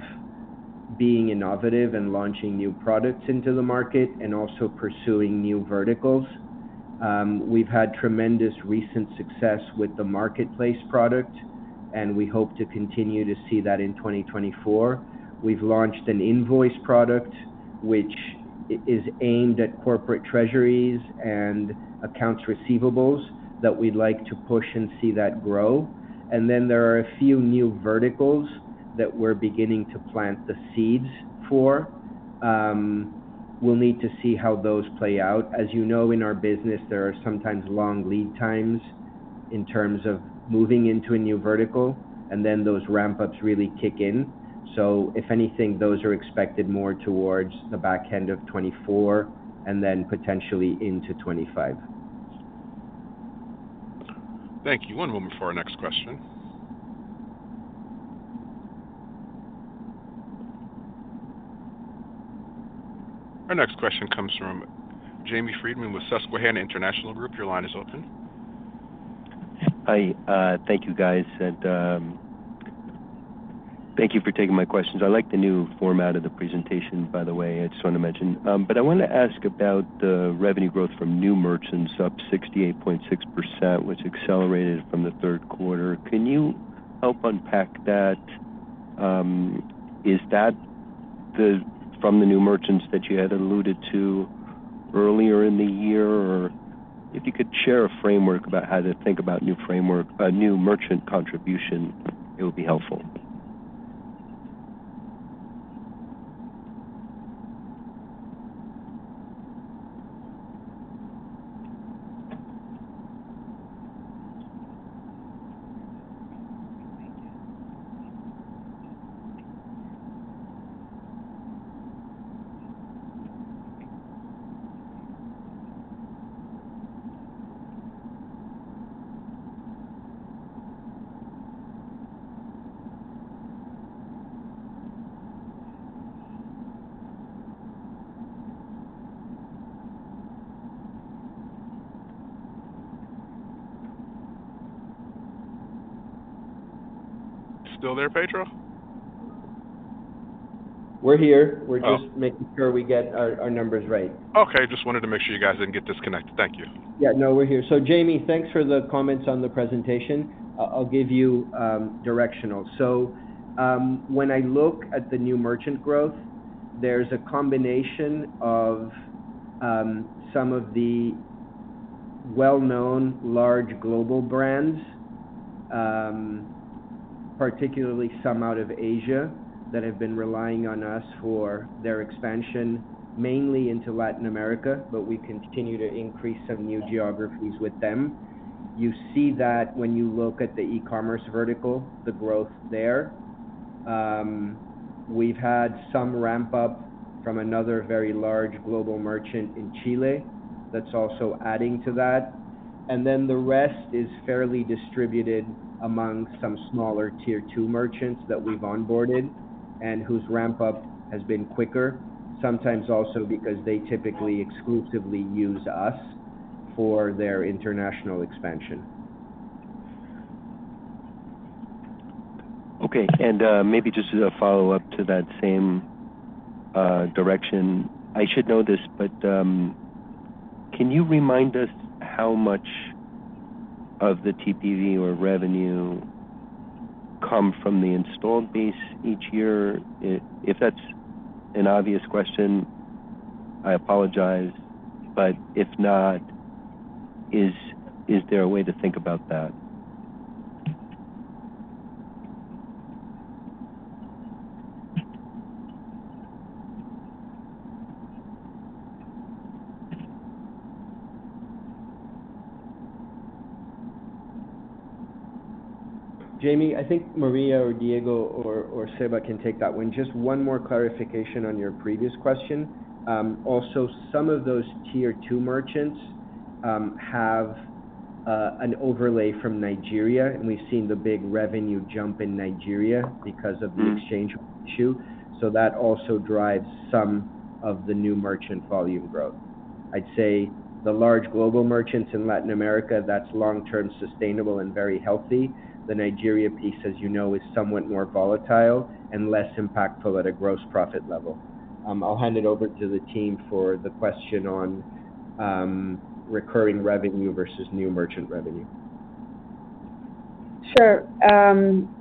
being innovative and launching new products into the market and also pursuing new verticals. We've had tremendous recent success with the marketplace product, and we hope to continue to see that in 2024. We've launched an invoice product, which is aimed at corporate treasuries and accounts receivables that we'd like to push and see that grow. And then there are a few new verticals that we're beginning to plant the seeds for, we'll need to see how those play out. As you know, in our business, there are sometimes long lead times in terms of moving into a new vertical, and then those ramp-ups really kick in. So if anything, those are expected more towards the back end of 2024 and then potentially into 2025. Thank you. One moment before our next question. Our next question comes from Jamie Friedman with Susquehanna International Group. Your line is open. Hi, thank you, guys. Thank you for taking my questions. I like the new format of the presentation, by the way. I just want to mention. But I want to ask about the revenue growth from new merchants, up 68.6%, which accelerated from the third quarter. Can you help unpack that? Is that the... From the new merchants that you had alluded to earlier in the year? Or if you could share a framework about how to think about new framework, new merchant contribution, it would be helpful. Still there, Pedro? We're here. Oh. We're just making sure we get our numbers right. Okay. Just wanted to make sure you guys didn't get disconnected. Thank you. Yeah. No, we're here. So, Jamie, thanks for the comments on the presentation. I'll give you directional. So, when I look at the new merchant growth, there's a combination of some of the well-known large global brands, particularly some out of Asia, that have been relying on us for their expansion, mainly into Latin America, but we continue to increase some new geographies with them. You see that when you look at the e-commerce vertical, the growth there. We've had some ramp-up from another very large global merchant in Chile. That's also adding to that. And then the rest is fairly distributed among some smaller Tier Two merchants that we've onboarded and whose ramp-up has been quicker, sometimes also because they typically exclusively use us for their international expansion. Okay. And, maybe just as a follow-up to that same direction. I should know this, but, can you remind us how much of the TPV or revenue come from the installed base each year? If that's an obvious question, I apologize, but if not... Is there a way to think about that? Jamie, I think Maria or Diego or, or Seba can take that one. Just one more clarification on your previous question. Also, some of those Tier Two merchants have an overlay from Nigeria, and we've seen the big revenue jump in Nigeria because of the exchange issue. So that also drives some of the new merchant volume growth. I'd say the large global merchants in Latin America, that's long-term, sustainable, and very healthy. The Nigeria piece, as you know, is somewhat more volatile and less impactful at a gross profit level. I'll hand it over to the team for the question on recurring revenue versus new merchant revenue. Sure.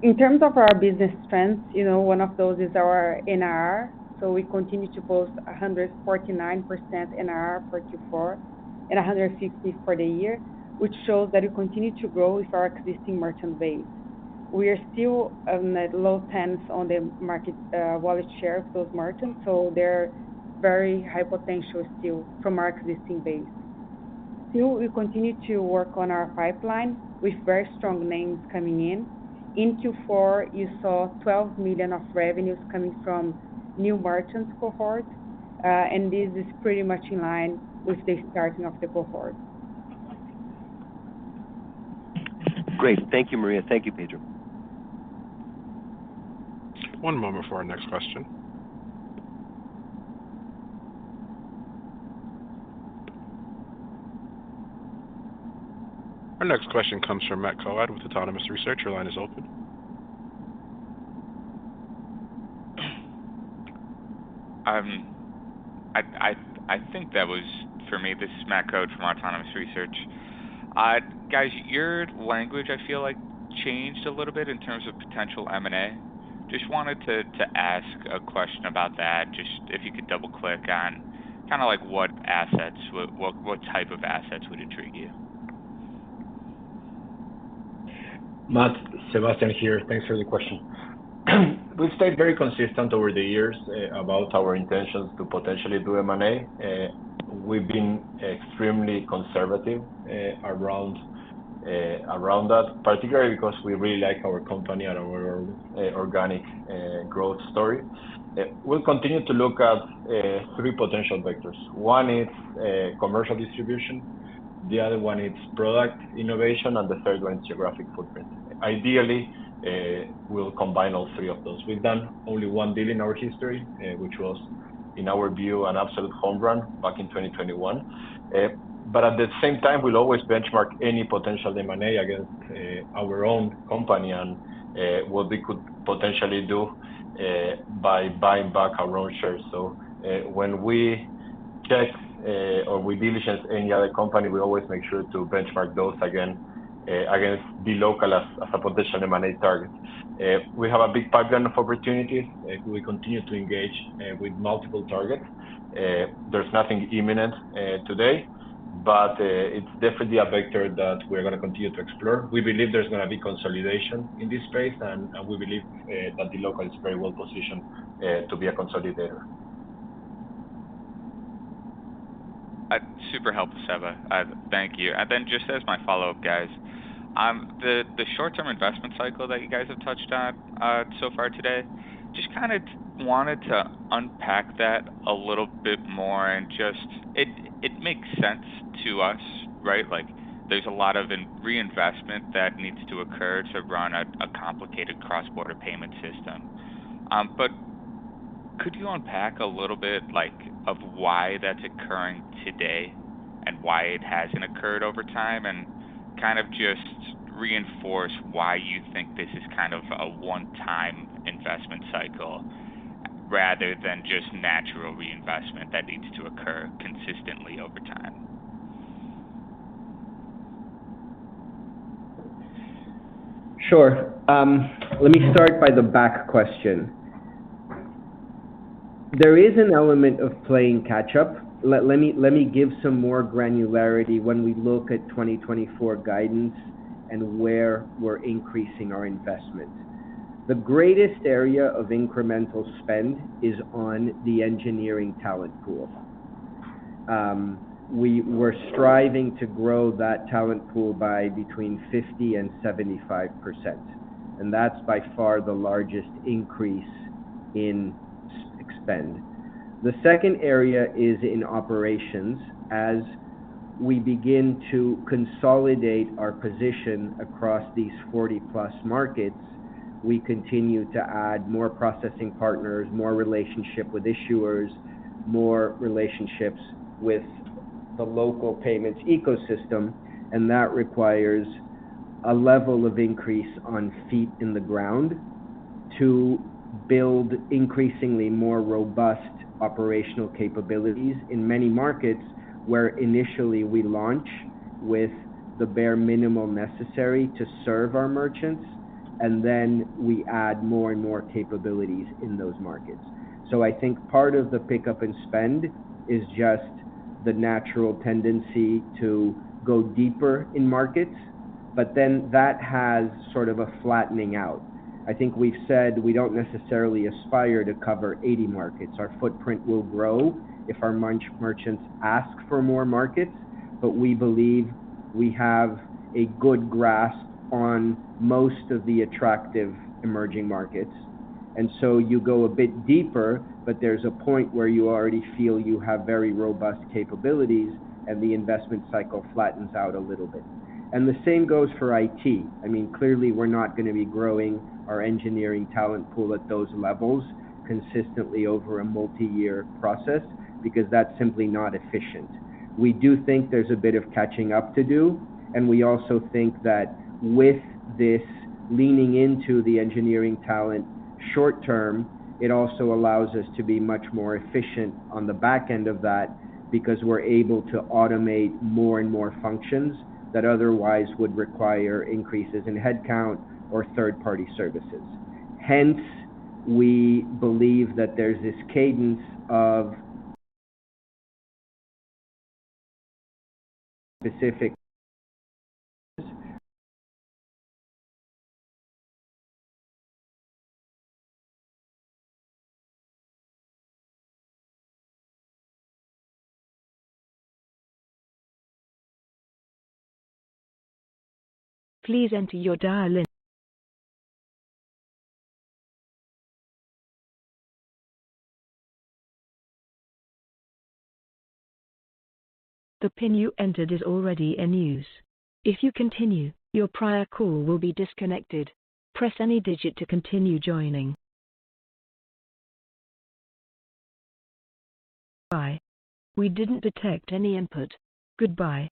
In terms of our business trends, you know, one of those is our NRR. So we continue to post 149% NRR for Q4, and 150 for the year, which shows that we continue to grow with our existing merchant base. We are still at low tens on the market wallet share of those merchants, so they're very high potential still from our existing base. Still, we continue to work on our pipeline, with very strong names coming in. In Q4, you saw $12 million of revenues coming from new merchants cohort, and this is pretty much in line with the starting of the cohort. Great. Thank you, Maria. Thank you, Pedro. One moment for our next question. Our next question comes from Matt Coad with Autonomous Research. Your line is open. I think that was for me. This is Matt Coad from Autonomous Research. Guys, your language, I feel like, changed a little bit in terms of potential M&A. Just wanted to ask a question about that, just if you could double-click on kinda like, what assets, what type of assets would intrigue you? Matt, Sebastián here. Thanks for the question. We've stayed very consistent over the years about our intentions to potentially do M&A. We've been extremely conservative around that, particularly because we really like our company and our organic growth story. We'll continue to look at three potential vectors. One is commercial distribution, the other one is product innovation, and the third one, geographic footprint. Ideally, we'll combine all three of those. We've done only one deal in our history, which was, in our view, an absolute home run back in 2021. But at the same time, we'll always benchmark any potential M&A against our own company and what we could potentially do by buying back our own shares. When we check, or we diligence any other company, we always make sure to benchmark those against dLocal as a potential M&A target. We have a big pipeline of opportunities. We continue to engage with multiple targets. There's nothing imminent today, but it's definitely a vector that we're gonna continue to explore. We believe there's gonna be consolidation in this space, and we believe that dLocal is very well positioned to be a consolidator. Super helpful, Seba. Thank you. And then just as my follow-up, guys, the short-term investment cycle that you guys have touched on so far today, just kind of wanted to unpack that a little bit more and just... It makes sense to us, right? Like, there's a lot of reinvestment that needs to occur to run a complicated cross-border payment system. But could you unpack a little bit like, of why that's occurring today and why it hasn't occurred over time? And kind of just reinforce why you think this is kind of a one-time investment cycle rather than just natural reinvestment that needs to occur consistently over time. Sure. Let me start by the back question. There is an element of playing catch-up. Let me give some more granularity when we look at 2024 guidance and where we're increasing our investment. The greatest area of incremental spend is on the engineering talent pool. We're striving to grow that talent pool by between 50%-75%, and that's by far the largest increase in spend. The second area is in operations. As we begin to consolidate our position across these 40+ markets, we continue to add more processing partners, more relationship with issuers, more relationships with the local payments ecosystem, and that requires a level of increase on feet in the ground to build increasingly more robust operational capabilities in many markets where initially we launch with-... The bare minimum necessary to serve our merchants, and then we add more and more capabilities in those markets. So I think part of the pickup in spend is just the natural tendency to go deeper in markets, but then that has sort of a flattening out. I think we've said we don't necessarily aspire to cover 80 markets. Our footprint will grow if our merchants ask for more markets, but we believe we have a good grasp on most of the attractive emerging markets. And so you go a bit deeper, but there's a point where you already feel you have very robust capabilities, and the investment cycle flattens out a little bit. And the same goes for IT. I mean, clearly, we're not gonna be growing our engineering talent pool at those levels consistently over a multi-year process because that's simply not efficient. We do think there's a bit of catching up to do, and we also think that with this leaning into the engineering talent short term, it also allows us to be much more efficient on the back end of that, because we're able to automate more and more functions that otherwise would require increases in headcount or third-party services. Hence, we believe that there's this cadence of specific- Please enter your dial list. The PIN you entered is already in use. If you continue, your prior call will be disconnected. Press any digit to continue joining. Bye. We didn't detect any input. Goodbye.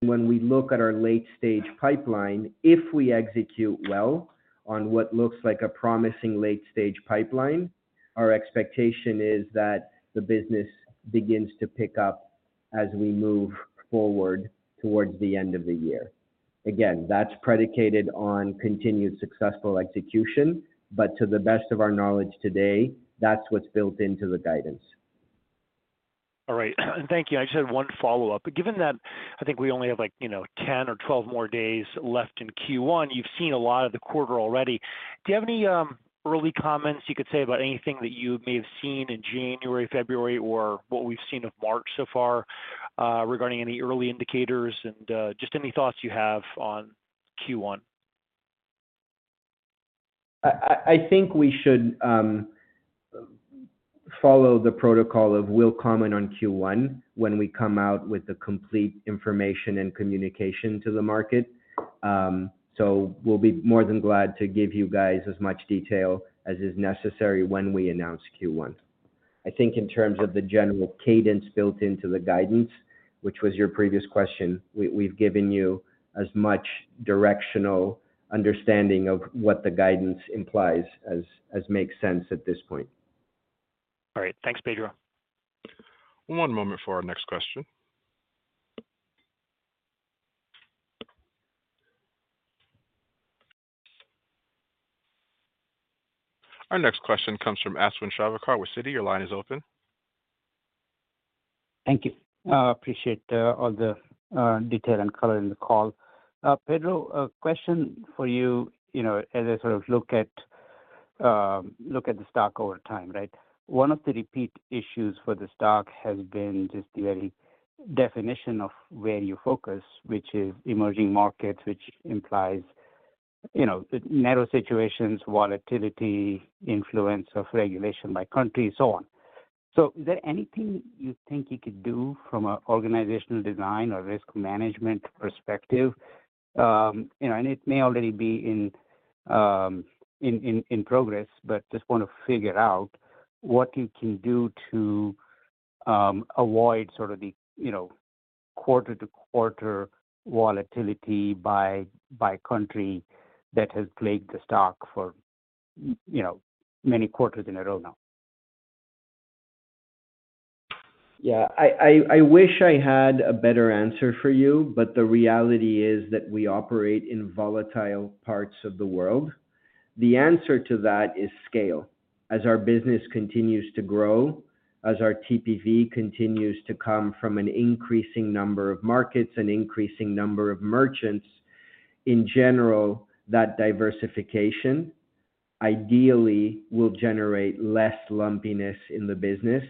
When we look at our late-stage pipeline, if we execute well on what looks like a promising late-stage pipeline, our expectation is that the business begins to pick up as we move forward towards the end of the year. Again, that's predicated on continued successful execution, but to the best of our knowledge today, that's what's built into the guidance. All right, thank you. I just have one follow-up. Given that I think we only have, like, you know, 10 or 12 more days left in Q1, you've seen a lot of the quarter already. Do you have any early comments you could say about anything that you may have seen in January, February, or what we've seen of March so far, regarding any early indicators and just any thoughts you have on Q1? I think we should follow the protocol of we'll comment on Q1 when we come out with the complete information and communication to the market. So we'll be more than glad to give you guys as much detail as is necessary when we announce Q1. I think in terms of the general cadence built into the guidance, which was your previous question, we've given you as much directional understanding of what the guidance implies as makes sense at this point. All right. Thanks, Pedro. One moment for our next question. Our next question comes from Ashwin Shirvaikar with Citi. Your line is open. Thank you. Appreciate all the detail and color in the call. Pedro, a question for you. You know, as I sort of look at, look at the stock over time, right? One of the repeat issues for the stock has been just the very definition of where you focus, which is emerging markets, which implies, you know, narrow situations, volatility, influence of regulation by country, and so on. So is there anything you think you could do from a organizational design or risk management perspective? You know, and it may already be in progress, but just want to figure out what you can do to avoid sort of the, you know, quarter-to-quarter volatility by country that has plagued the stock for, you know, many quarters in a row now?... Yeah, I wish I had a better answer for you, but the reality is that we operate in volatile parts of the world. The answer to that is scale. As our business continues to grow, as our TPV continues to come from an increasing number of markets, an increasing number of merchants, in general, that diversification ideally will generate less lumpiness in the business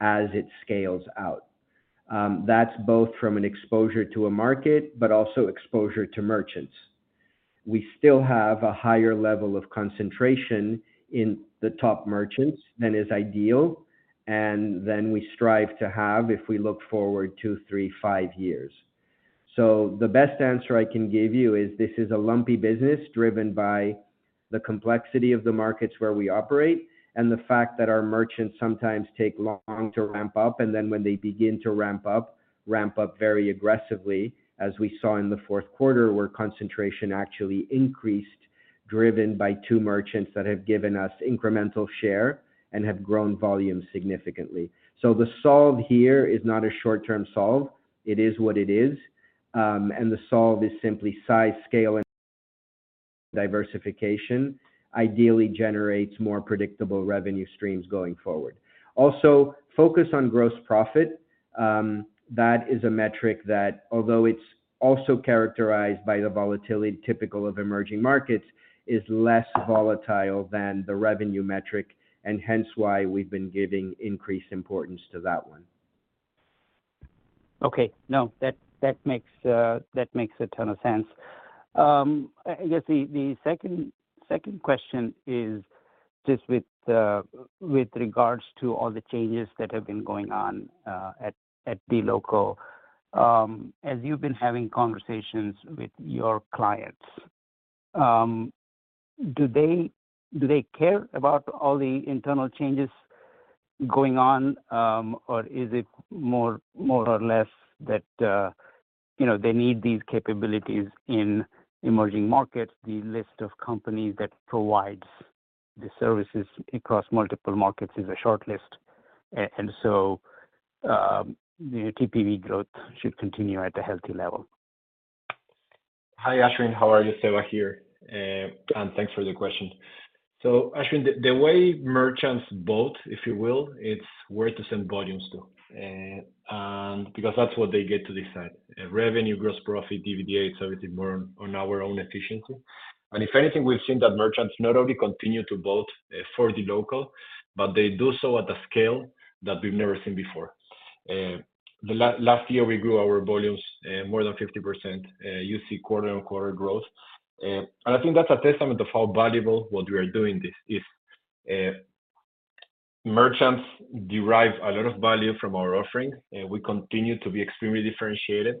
as it scales out. That's both from an exposure to a market, but also exposure to merchants. We still have a higher level of concentration in the top merchants than is ideal, and than we strive to have if we look forward 2, 3, 5 years. So the best answer I can give you is this is a lumpy business driven by the complexity of the markets where we operate, and the fact that our merchants sometimes take long to ramp up, and then when they begin to ramp up, ramp up very aggressively, as we saw in the Q4, where concentration actually increased, driven by two merchants that have given us incremental share and have grown volume significantly. So the solve here is not a short-term solve. It is what it is. And the solve is simply size, scale, and diversification, ideally generates more predictable revenue streams going forward. Also, focus on gross profit, that is a metric that, although it's also characterized by the volatility typical of emerging markets, is less volatile than the revenue metric, and hence why we've been giving increased importance to that one. Okay. No, that makes a ton of sense. I guess the second question is just with regards to all the changes that have been going on at dLocal. As you've been having conversations with your clients, do they care about all the internal changes going on, or is it more or less that, you know, they need these capabilities in emerging markets? The list of companies that provides the services across multiple markets is a short list, and so the TPV growth should continue at a healthy level. Hi, Ashwin, how are you? Seba here, and thanks for the question. So Ashwin, the way merchants vote, if you will, it's where to send volumes to, and because that's what they get to decide. Revenue, gross profit, EBITDA, it's everything more on our own efficiency. And if anything, we've seen that merchants not only continue to vote for dLocal, but they do so at a scale that we've never seen before. Last year, we grew our volumes more than 50%, you see quarter-on-quarter growth. And I think that's a testament of how valuable what we are doing is. Merchants derive a lot of value from our offering, we continue to be extremely differentiated.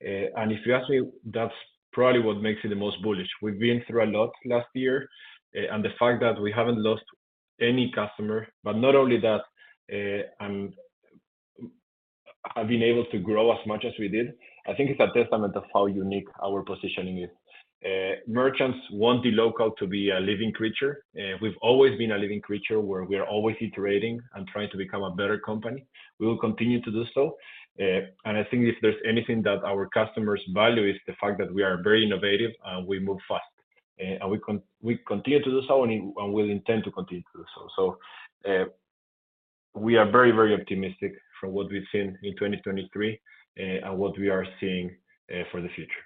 And if you ask me, that's probably what makes it the most bullish. We've been through a lot last year, and the fact that we haven't lost any customer, but not only that, and have been able to grow as much as we did, I think it's a testament of how unique our positioning is. Merchants want dLocal to be a living creature, we've always been a living creature, where we are always iterating and trying to become a better company. We will continue to do so, and I think if there's anything that our customers value, it's the fact that we are very innovative, and we move fast. And we continue to do so and, and we intend to continue to do so. So, we are very, very optimistic for what we've seen in 2023, and what we are seeing, for the future.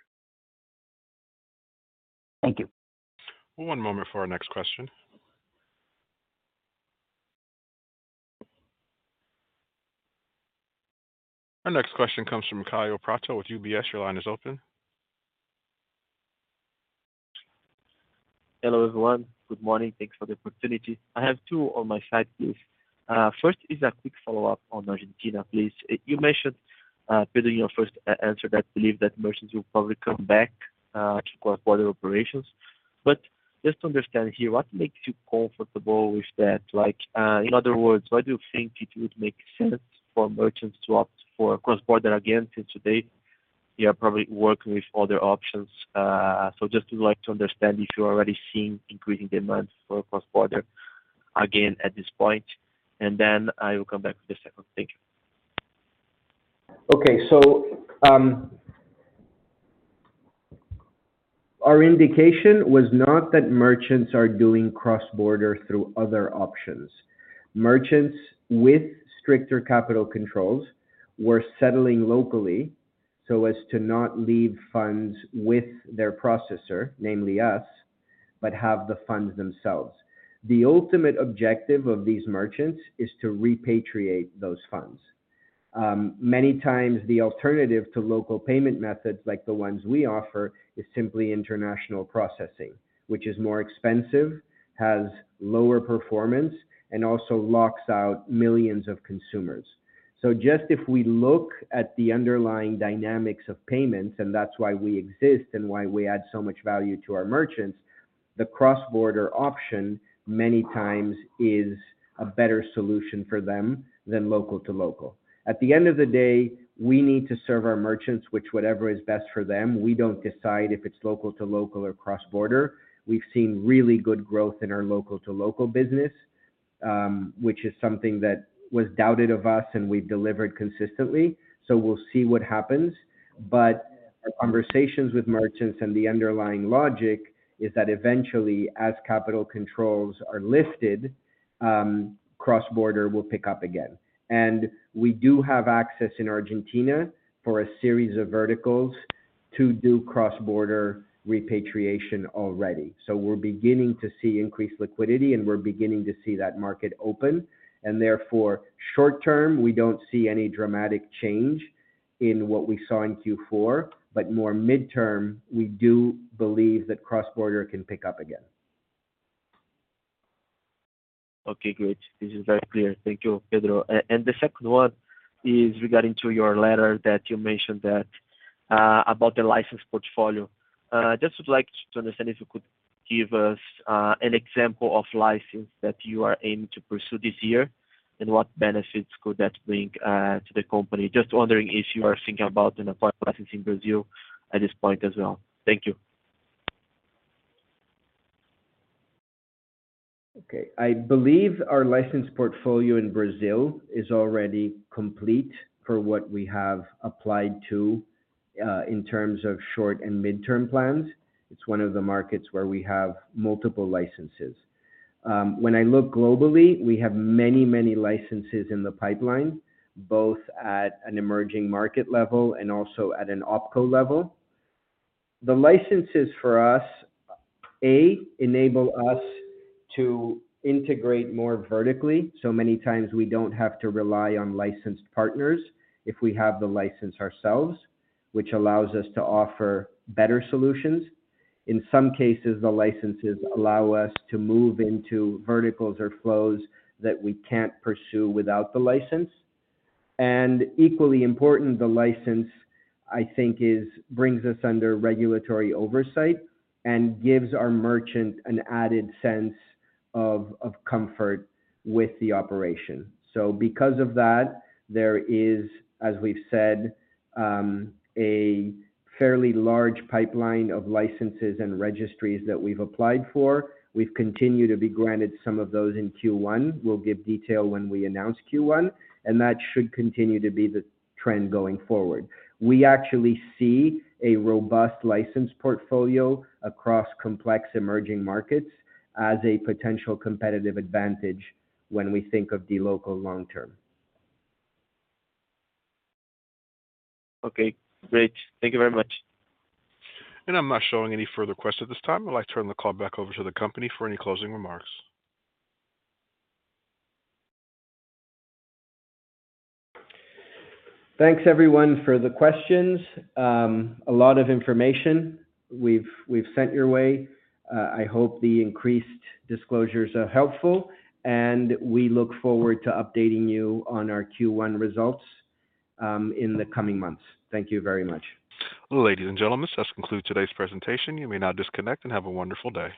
Thank you. One moment for our next question. Our next question comes from Kaio Prato with UBS. Your line is open. Hello, everyone. Good morning. Thanks for the opportunity. I have two on my side, please. First is a quick follow-up on Argentina, please. You mentioned, Pedro, in your first answer, that believe that merchants will probably come back to cross-border operations. But just to understand here, what makes you comfortable with that? Like, in other words, why do you think it would make sense for merchants to opt for cross-border again, since today you are probably working with other options. So just would like to understand if you're already seeing increasing demand for cross-border again at this point. Then I will come back with the second. Thank you. Okay. So, our indication was not that merchants are doing cross-border through other options. Merchants with stricter capital controls were settling locally so as to not leave funds with their processor, namely us, but have the funds themselves. The ultimate objective of these merchants is to repatriate those funds. Many times the alternative to local payment methods, like the ones we offer, is simply international processing, which is more expensive, has lower performance, and also locks out millions of consumers. So just if we look at the underlying dynamics of payments, and that's why we exist and why we add so much value to our merchants, the cross-border option many times is a better solution for them than local-to-local. At the end of the day, we need to serve our merchants, which, whatever is best for them, we don't decide if it's local-to-local or cross-border. We've seen really good growth in our local-to-local business. Which is something that was doubted of us, and we've delivered consistently, so we'll see what happens. But our conversations with merchants and the underlying logic is that eventually, as capital controls are lifted, cross-border will pick up again. And we do have access in Argentina for a series of verticals to do cross-border repatriation already. So we're beginning to see increased liquidity, and we're beginning to see that market open, and therefore, short term, we don't see any dramatic change in what we saw in Q4, but more midterm, we do believe that cross-border can pick up again. Okay, great. This is very clear. Thank you, Pedro. And the second one is regarding to your letter that you mentioned that about the license portfolio. Just would like to understand if you could give us an example of license that you are aiming to pursue this year, and what benefits could that bring to the company? Just wondering if you are thinking about a license in Brazil at this point as well. Thank you. Okay. I believe our license portfolio in Brazil is already complete for what we have applied to in terms of short and midterm plans. It's one of the markets where we have multiple licenses. When I look globally, we have many, many licenses in the pipeline, both at an emerging market level and also at an OpCo level. The licenses for us enable us to integrate more vertically. So many times we don't have to rely on licensed partners if we have the license ourselves, which allows us to offer better solutions. In some cases, the licenses allow us to move into verticals or flows that we can't pursue without the license. And equally important, the license, I think, brings us under regulatory oversight and gives our merchant an added sense of comfort with the operation. So because of that, there is, as we've said, a fairly large pipeline of licenses and registries that we've applied for. We've continued to be granted some of those in Q1. We'll give detail when we announce Q1, and that should continue to be the trend going forward. We actually see a robust license portfolio across complex emerging markets as a potential competitive advantage when we think of dLocal long term. Okay, great. Thank you very much. I'm not showing any further questions at this time. I'd like to turn the call back over to the company for any closing remarks. Thanks, everyone, for the questions. A lot of information we've sent your way. I hope the increased disclosures are helpful, and we look forward to updating you on our Q1 results in the coming months. Thank you very much. Ladies and gentlemen, this concludes today's presentation. You may now disconnect and have a wonderful day.